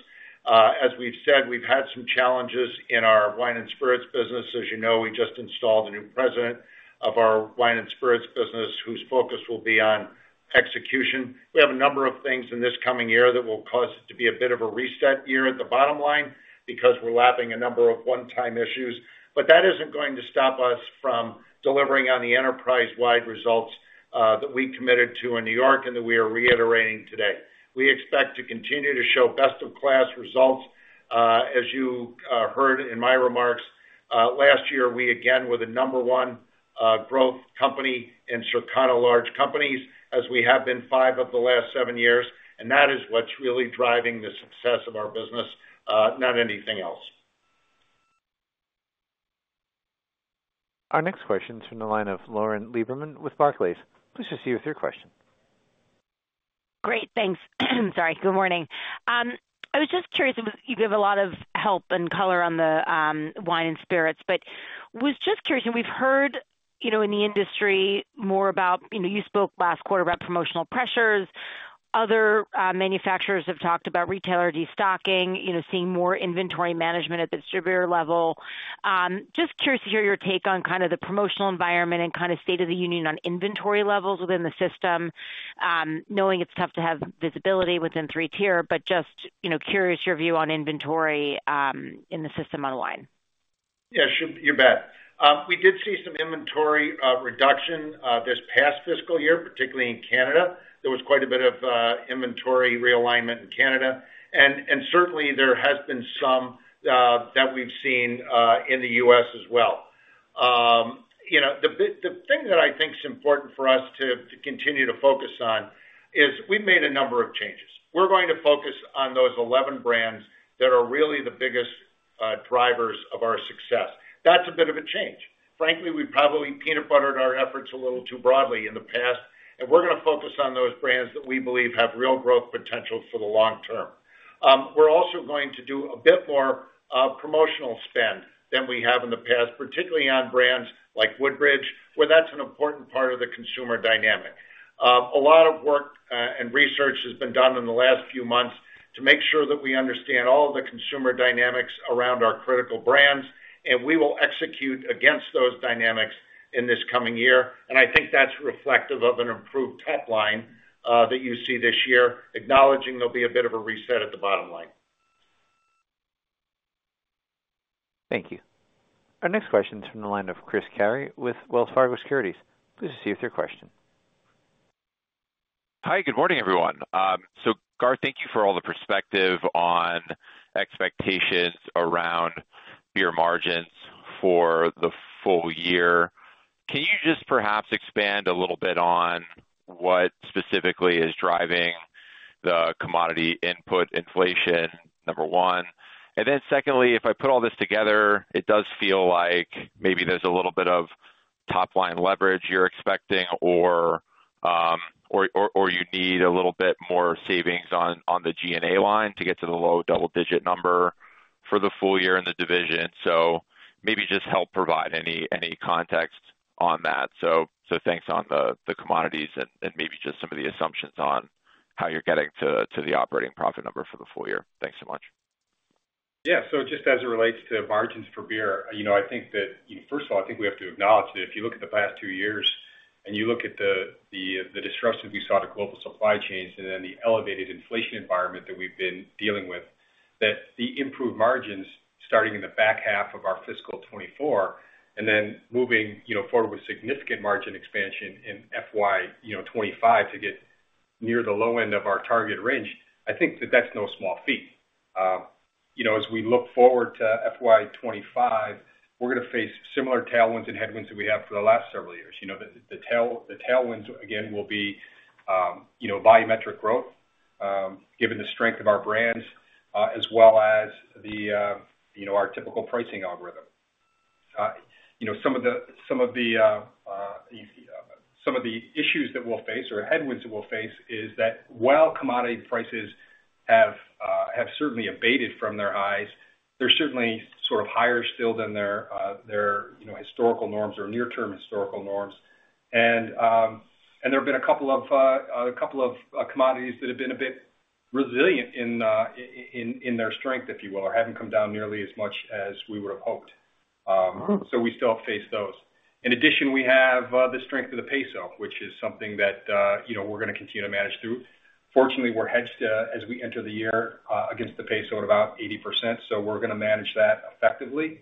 As we've said, we've had some challenges in our wine and spirits business. As you know, we just installed a new president of our wine and spirits business, whose focus will be on execution. We have a number of things in this coming year that will cause it to be a bit of a reset year at the bottom line, because we're lapping a number of one-time issues. But that isn't going to stop us from delivering on the enterprise-wide results that we committed to in New York and that we are reiterating today. We expect to continue to show best-in-class results. As you heard in my remarks last year, we again were the number one growth company in Circana large companies, as we have been five of the last seven years, and that is what's really driving the success of our business, not anything else. Our next question is from the line of Lauren Lieberman with Barclays. Please proceed with your question. Great, thanks. Sorry, good morning. I was just curious, you gave a lot of help and color on the wine and spirits, but was just curious, and we've heard, you know, in the industry more about, you know, you spoke last quarter about promotional pressures. Other manufacturers have talked about retailer destocking, you know, seeing more inventory management at the distributor level. Just curious to hear your take on kind of the promotional environment and kind of state of the union on inventory levels within the system, knowing it's tough to have visibility within three-tier, but just, you know, curious your view on inventory in the system on wine. Yeah, sure. You bet. We did see some inventory reduction this past fiscal year, particularly in Canada. There was quite a bit of inventory realignment in Canada, and certainly there has been some that we've seen in the U.S. as well. You know, the thing that I think is important for us to continue to focus on is we've made a number of changes. We're going to focus on those 11 brands that are really the biggest drivers of our success. That's a bit of a change. Frankly, we probably peanut buttered our efforts a little too broadly in the past, and we're gonna focus on those brands that we believe have real growth potential for the long term. We're also going to do a bit more promotional spend than we have in the past, particularly on brands like Woodbridge, where that's an important part of the consumer dynamic. A lot of work and research has been done in the last few months to make sure that we understand all the consumer dynamics around our critical brands, and we will execute against those dynamics in this coming year. And I think that's reflective of an improved top line that you see this year, acknowledging there'll be a bit of a reset at the bottom line. Thank you. Our next question is from the line of Chris Carey with Wells Fargo Securities. Please proceed with your question. Hi, good morning, everyone. So Garth, thank you for all the perspective on expectations around beer margins for the full year. Can you just perhaps expand a little bit on what specifically is driving the commodity input inflation, number one? And then secondly, if I put all this together, it does feel like maybe there's a little bit of top line leverage you're expecting or you need a little bit more savings on the SG&A line to get to the low double-digit number for the full year in the division. So maybe just help provide any context on that. So thanks on the commodities and maybe just some of the assumptions on how you're getting to the operating profit number for the full year. Thanks so much. Yeah. So just as it relates to margins for beer, you know, I think that, first of all, I think we have to acknowledge that if you look at the past two years, and you look at the disruptions we saw to global supply chains, and then the elevated inflation environment that we've been dealing with, that the improved margins starting in the back half of our fiscal 2024, and then moving, you know, forward with significant margin expansion in FY 2025 to get near the low end of our target range, I think that that's no small feat. You know, as we look forward to FY 2025, we're gonna face similar tailwinds and headwinds that we have for the last several years. You know, the tailwinds again will be, you know, volumetric growth given the strength of our brands, as well as, you know, our typical pricing algorithm. You know, some of the issues that we'll face or headwinds that we'll face is that while commodity prices have certainly abated from their highs, they're certainly sort of higher still than their, you know, historical norms or near-term historical norms. And there have been a couple of commodities that have been a bit resilient in their strength, if you will, or haven't come down nearly as much as we would have hoped. So we still face those. In addition, we have the strength of the peso, which is something that, you know, we're gonna continue to manage through. Fortunately, we're hedged as we enter the year against the peso at about 80%, so we're gonna manage that effectively.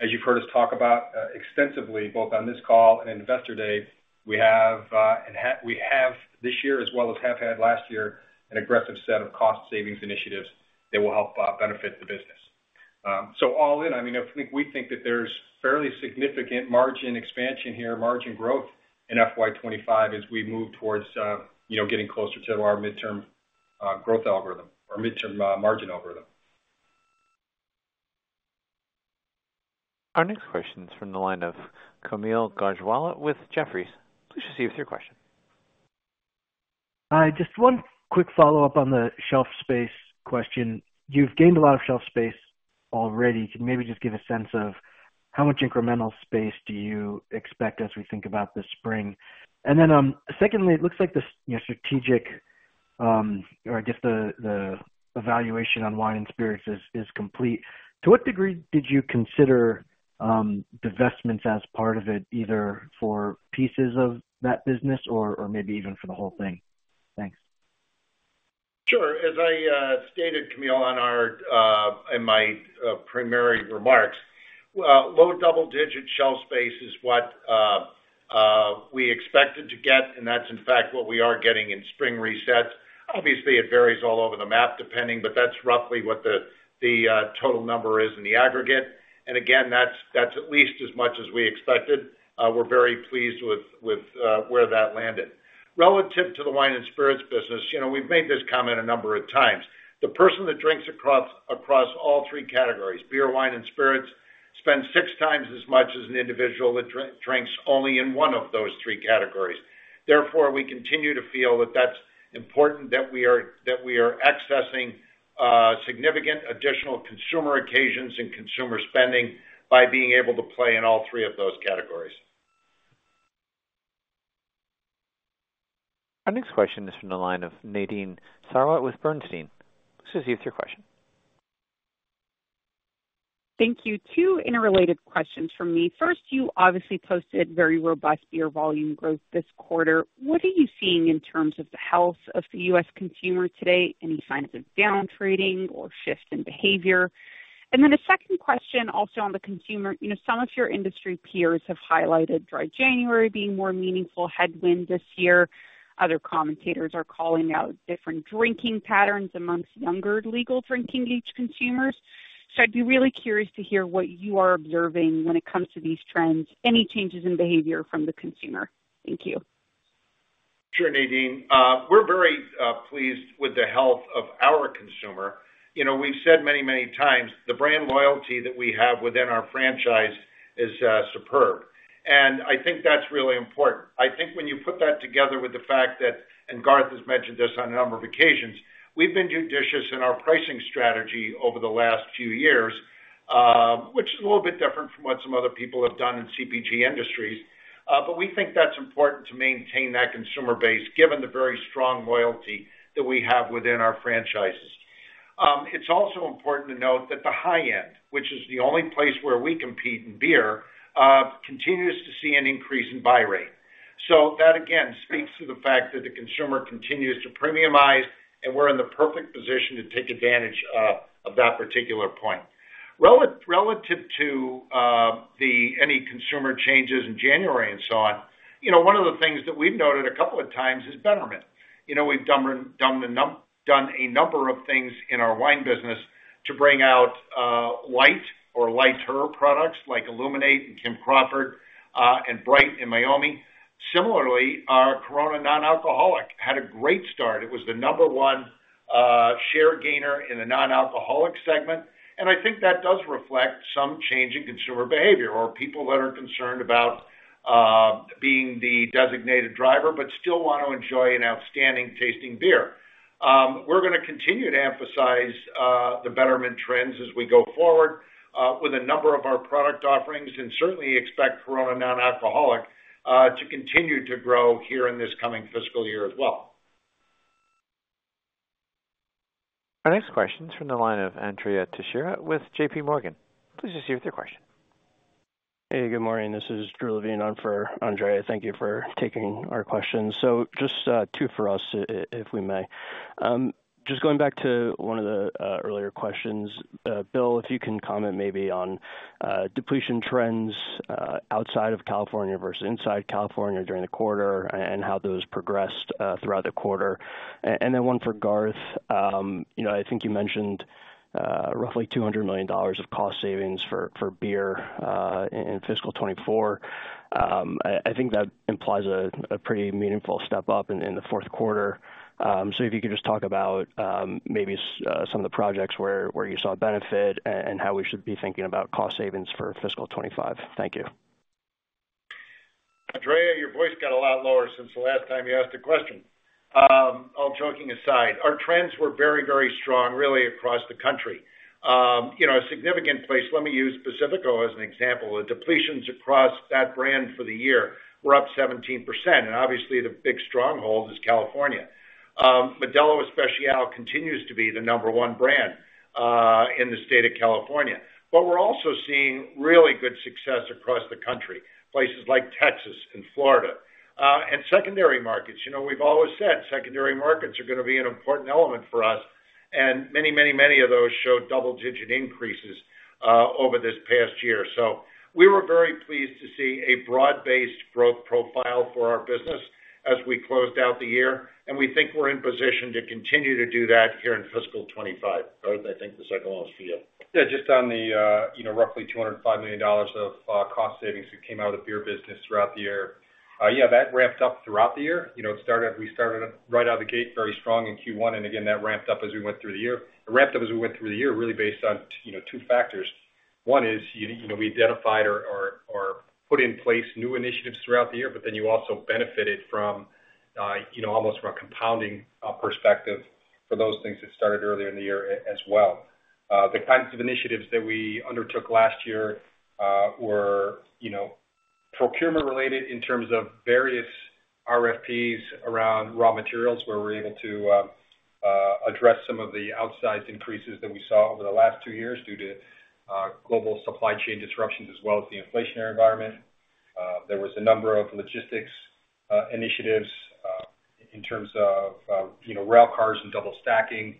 As you've heard us talk about extensively, both on this call and Investor Day, we have this year, as well as have had last year, an aggressive set of cost savings initiatives that will help benefit the business. So all in, I mean, I think we think that there's fairly significant margin expansion here, margin growth in FY 25 as we move towards, you know, getting closer to our midterm growth algorithm or midterm margin algorithm. Our next question is from the line of Kaumil Gajrawala with Jefferies. Please proceed with your question. Hi, just one quick follow-up on the shelf space question. You've gained a lot of shelf space already. Can you maybe just give a sense of how much incremental space do you expect as we think about this spring? And then, secondly, it looks like the you know, strategic, or I guess, the evaluation on wine and spirits is complete. To what degree did you consider divestments as part of it, either for pieces of that business or maybe even for the whole thing? Thanks. Sure. As I stated, Kaumil, on our, in my primary remarks, well, low double-digit shelf space is what we expected to get, and that's in fact what we are getting in spring resets. Obviously, it varies all over the map, depending, but that's roughly what the total number is in the aggregate. And again, that's at least as much as we expected. We're very pleased with where that landed. Relative to the wine and spirits business, you know, we've made this comment a number of times. The person that drinks across all three categories, beer, wine and spirits, spends six times as much as an individual that drinks only in one of those three categories. Therefore, we continue to feel that that's important, that we are accessing significant additional consumer occasions and consumer spending by being able to play in all three of those categories. Our next question is from the line of Nadine Sarwat with Bernstein. Please proceed with your question. Thank you. Two interrelated questions from me. First, you obviously posted very robust beer volume growth this quarter. What are you seeing in terms of the health of the U.S. consumer today? Any signs of downtrading or shift in behavior? And then a second question also on the consumer. You know, some of your industry peers have highlighted Dry January being more meaningful headwind this year. Other commentators are calling out different drinking patterns amongst younger, legal drinking age consumers. So I'd be really curious to hear what you are observing when it comes to these trends. Any changes in behavior from the consumer? Thank you. Sure, Nadine. We're very pleased with the health of our consumer. You know, we've said many, many times, the brand loyalty that we have within our franchise is superb, and I think that's really important. I think when you put that together with the fact that, and Garth has mentioned this on a number of occasions, we've been judicious in our pricing strategy over the last few years, which is a little bit different from what some other people have done in CPG industries. But we think that's important to maintain that consumer base, given the very strong loyalty that we have within our franchises. It's also important to note that the high end, which is the only place where we compete in beer, continues to see an increase in buy rate. So that, again, speaks to the fact that the consumer continues to premiumize, and we're in the perfect position to take advantage of that particular point. Relative to any consumer changes in January and so on, you know, one of the things that we've noted a couple of times is betterment. You know, we've done a number of things in our wine business to bring out light or lighter products like Illuminate and Kim Crawford, and Bright and Meiomi. Similarly, our Corona Non-Alcoholic had a great start. It was the number one share gainer in the non-alcoholic segment, and I think that does reflect some change in consumer behavior or people that are concerned about being the designated driver, but still want to enjoy an outstanding tasting beer. We're gonna continue to emphasize the betterment trends as we go forward with a number of our product offerings, and certainly expect Corona Non-Alcoholic to continue to grow here in this coming fiscal year as well. Our next question is from the line of Andrea Teixeira with JPMorgan. Please proceed with your question. Hey, good morning. This is Drew Levine on for Andrea. Thank you for taking our questions. So just two for us, if we may. Just going back to one of the earlier questions. Bill, if you can comment maybe on depletion trends outside of California versus inside California during the quarter, and how those progressed throughout the quarter. And then one for Garth. You know, I think you mentioned roughly $200 million of cost savings for beer in fiscal 2024. I think that implies a pretty meaningful step up in the fourth quarter. So if you could just talk about maybe some of the projects where you saw benefit and how we should be thinking about cost savings for fiscal 2025. Thank you. Andrea, your voice got a lot lower since the last time you asked a question. All joking aside, our trends were very, very strong, really, across the country. You know, a significant place, let me use Pacifico as an example. The depletions across that brand for the year were up 17%, and obviously, the big stronghold is California. Modelo Especial continues to be the number one brand in the state of California. But we're also seeing really good success across the country, places like Texas and Florida, and secondary markets. You know, we've always said secondary markets are gonna be an important element for us... and many, many, many of those showed double-digit increases over this past year. So we were very pleased to see a broad-based growth profile for our business as we closed out the year, and we think we're in position to continue to do that here in fiscal 2025. Robert, I think the second one is for you. Yeah, just on the, you know, roughly $205 million of cost savings that came out of the beer business throughout the year. Yeah, that ramped up throughout the year. You know, it started—we started up right out of the gate, very strong in Q1, and again, that ramped up as we went through the year. It ramped up as we went through the year, really based on, you know, two factors. One is, you know, we identified or put in place new initiatives throughout the year, but then you also benefited from, you know, almost from a compounding perspective for those things that started earlier in the year as well. The kinds of initiatives that we undertook last year were, you know, procurement related in terms of various RFPs around raw materials, where we were able to address some of the outsized increases that we saw over the last two years due to global supply chain disruptions as well as the inflationary environment. There was a number of logistics initiatives in terms of, you know, rail cars and double stacking,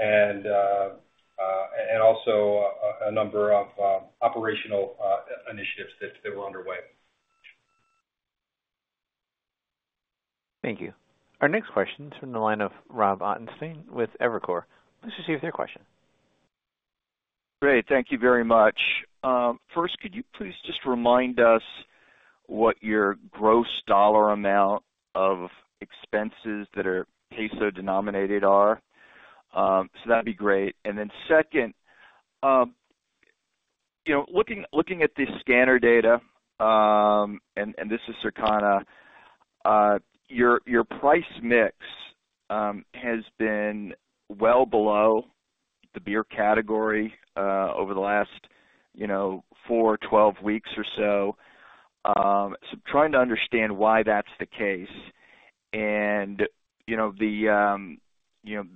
and also a number of operational initiatives that were underway. Thank you. Our next question is from the line of Rob Ottenstein with Evercore ISI. Please go ahead with your question. Great. Thank you very much. First, could you please just remind us what your gross dollar amount of expenses that are peso-denominated are? So that'd be great. And then second, you know, looking at the scanner data, and this is Circana, your price mix has been well below the beer category, over the last, you know, 4-12 weeks or so. So trying to understand why that's the case. And, you know,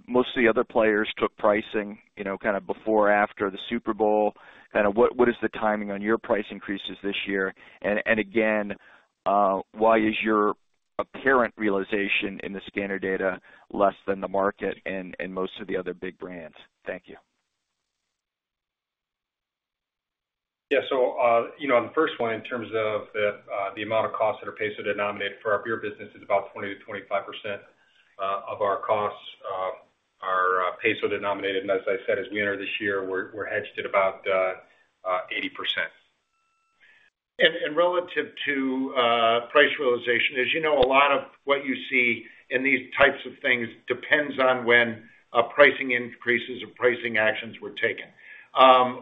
most of the other players took pricing, you know, kind of before or after the Super Bowl. What is the timing on your price increases this year? And again, why is your apparent realization in the scanner data less than the market and most of the other big brands? Thank you. Yeah, so, you know, on the first one, in terms of the amount of costs that are peso-denominated for our beer business is about 20%-25% of our costs are peso denominated. And as I said, as we enter this year, we're hedged at about 80%. Relative to price realization, as you know, a lot of what you see in these types of things depends on when pricing increases or pricing actions were taken.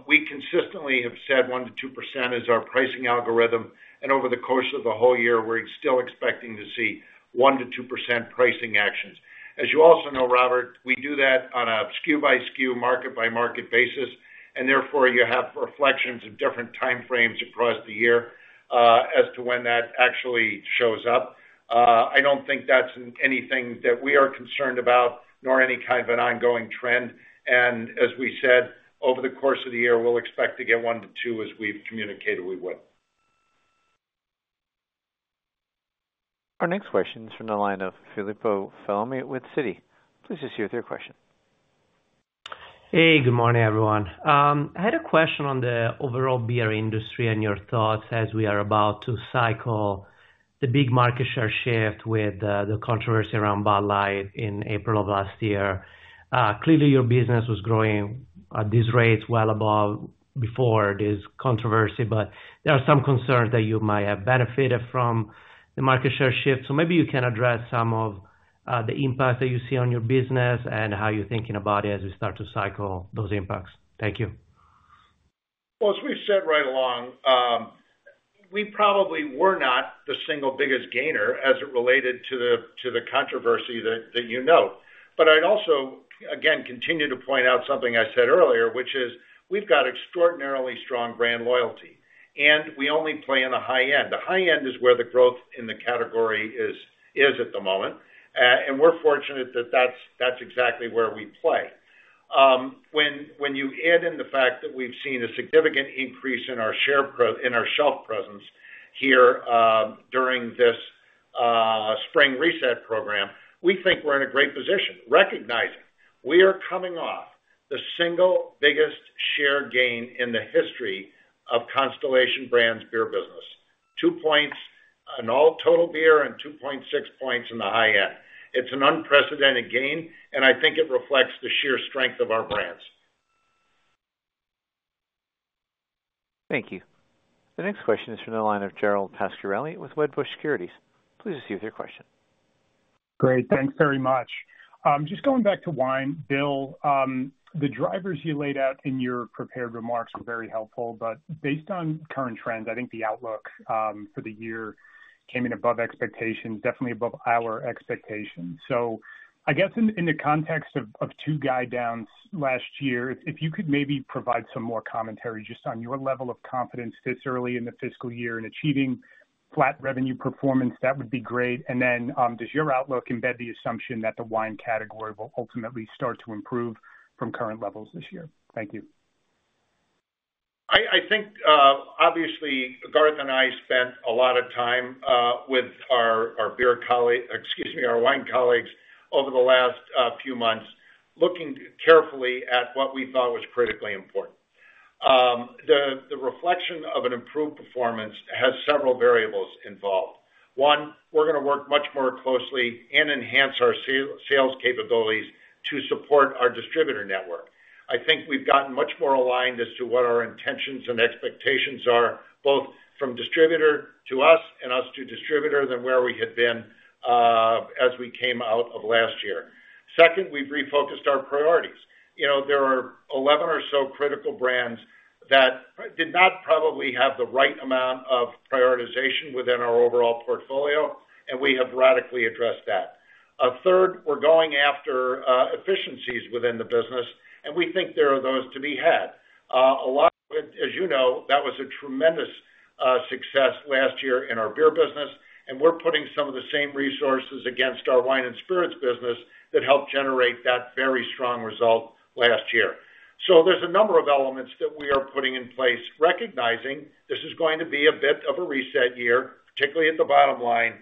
We consistently have said 1%-2% is our pricing algorithm, and over the course of the whole year, we're still expecting to see 1%-2% pricing actions. As you also know, Robert, we do that on a SKU by SKU, market by market basis, and therefore, you have reflections of different time frames across the year as to when that actually shows up. I don't think that's anything that we are concerned about, nor any kind of an ongoing trend, and as we said, over the course of the year, we'll expect to get 1%-2%, as we've communicated we would. Our next question is from the line of Filippo Falorni with Citi. Please let us hear your question. Hey, good morning, everyone. I had a question on the overall beer industry and your thoughts as we are about to cycle the big market share shift with the controversy around Bud Light in April of last year. Clearly, your business was growing at these rates well above before this controversy, but there are some concerns that you might have benefited from the market share shift. So maybe you can address some of the impact that you see on your business and how you're thinking about it as you start to cycle those impacts. Thank you. Well, as we've said right along, we probably were not the single biggest gainer as it related to the controversy that you know. But I'd also, again, continue to point out something I said earlier, which is we've got extraordinarily strong brand loyalty, and we only play in the high end. The high end is where the growth in the category is at the moment. And we're fortunate that that's exactly where we play. When you add in the fact that we've seen a significant increase in our shelf presence here during this spring reset program, we think we're in a great position, recognizing we are coming off the single biggest share gain in the history of Constellation Brands beer business. 2 points on all total beer and 2.6 points in the high end. It's an unprecedented gain, and I think it reflects the sheer strength of our brands. Thank you. The next question is from the line of Gerald Pascarelli with Wedbush Securities. Please let us hear your question. Great. Thanks very much. Just going back to wine, Bill, the drivers you laid out in your prepared remarks were very helpful, but based on current trends, I think the outlook for the year came in above expectations, definitely above our expectations. So I guess in the context of two guide downs last year, if you could maybe provide some more commentary just on your level of confidence this early in the fiscal year in achieving flat revenue performance, that would be great. And then, does your outlook embed the assumption that the wine category will ultimately start to improve from current levels this year? Thank you. I think, obviously, Garth and I spent a lot of time with our beer colleague, excuse me, our wine colleagues, over the last few months, looking carefully at what we thought was critically important. The reflection of an improved performance has several variables involved. One, we're gonna work much more closely and enhance our sales capabilities to support our distributor network. I think we've gotten much more aligned as to what our intentions and expectations are, both from distributor to us and us to distributor, than where we had been, as we came out of last year. Second, we've refocused our priorities. You know, there are 11 or so critical brands that did not probably have the right amount of prioritization within our overall portfolio, and we have radically addressed that. Third, we're going after efficiencies within the business, and we think there are those to be had. A lot of it, as you know, that was a tremendous success last year in our beer business, and we're putting some of the same resources against our wine and spirits business that helped generate that very strong result last year. So there's a number of elements that we are putting in place, recognizing this is going to be a bit of a reset year, particularly at the bottom line,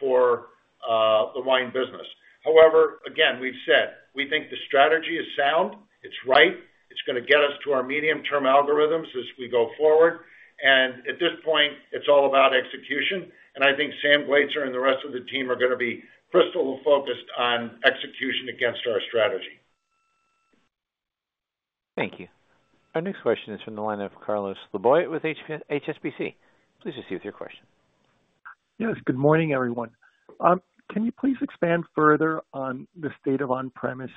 for the wine business. However, again, we've said we think the strategy is sound, it's right, it's gonna get us to our medium-term algorithms as we go forward, and at this point, it's all about execution. And I think Sam Glaetzer and the rest of the team are gonna be crystal focused on execution against our strategy. Thank you. Our next question is from the line of Carlos Laboy with HSBC. Please proceed with your question. Yes, good morning, everyone. Can you please expand further on the state of on-premise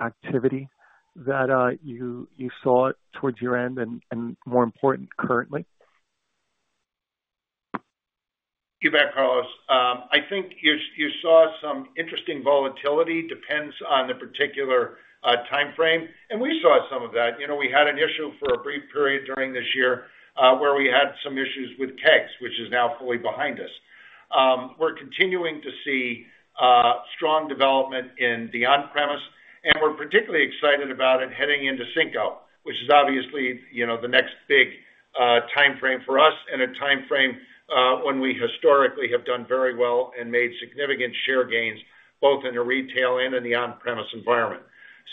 activity that you saw towards your end and, more important, currently? You bet, Carlos. I think you saw some interesting volatility, depends on the particular time frame, and we saw some of that. You know, we had an issue for a brief period during this year, where we had some issues with kegs, which is now fully behind us. We're continuing to see strong development in the on-premise, and we're particularly excited about it heading into Cinco, which is obviously, you know, the next big time frame for us and a time frame when we historically have done very well and made significant share gains, both in the retail and in the on-premise environment.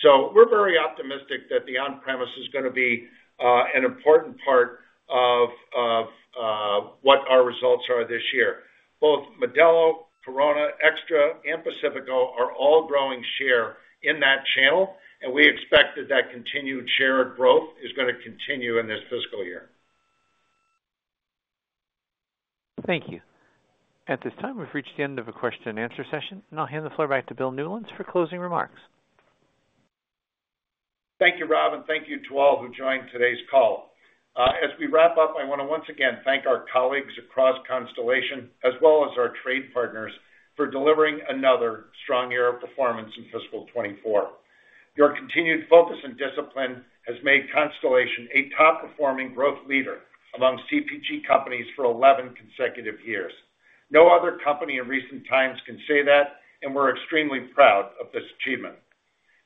So we're very optimistic that the on-premise is gonna be an important part of what our results are this year. Both Modelo, Corona Extra, and Pacifico are all growing share in that channel, and we expect that that continued share of growth is gonna continue in this fiscal year. Thank you. At this time, we've reached the end of the question and answer session, and I'll hand the floor back to Bill Newlands for closing remarks. Thank you, Rob, and thank you to all who joined today's call. As we wrap up, I wanna once again thank our colleagues across Constellation, as well as our trade partners, for delivering another strong year of performance in fiscal 2024. Your continued focus and discipline has made Constellation a top-performing growth leader among CPG companies for 11 consecutive years. No other company in recent times can say that, and we're extremely proud of this achievement.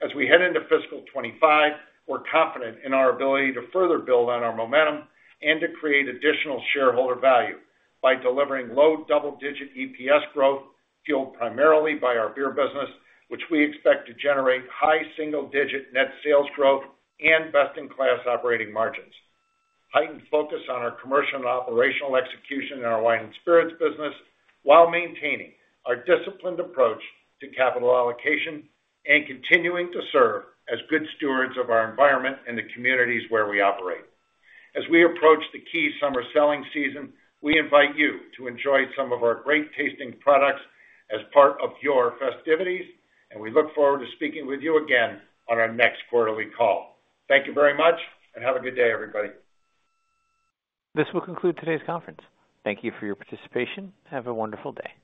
As we head into fiscal 2025, we're confident in our ability to further build on our momentum and to create additional shareholder value by delivering low double-digit EPS growth, fueled primarily by our beer business, which we expect to generate high single-digit net sales growth and best-in-class operating margins. Heightened focus on our commercial and operational execution in our wine and spirits business, while maintaining our disciplined approach to capital allocation and continuing to serve as good stewards of our environment and the communities where we operate. As we approach the key summer selling season, we invite you to enjoy some of our great-tasting products as part of your festivities, and we look forward to speaking with you again on our next quarterly call. Thank you very much, and have a good day, everybody. This will conclude today's conference. Thank you for your participation, and have a wonderful day.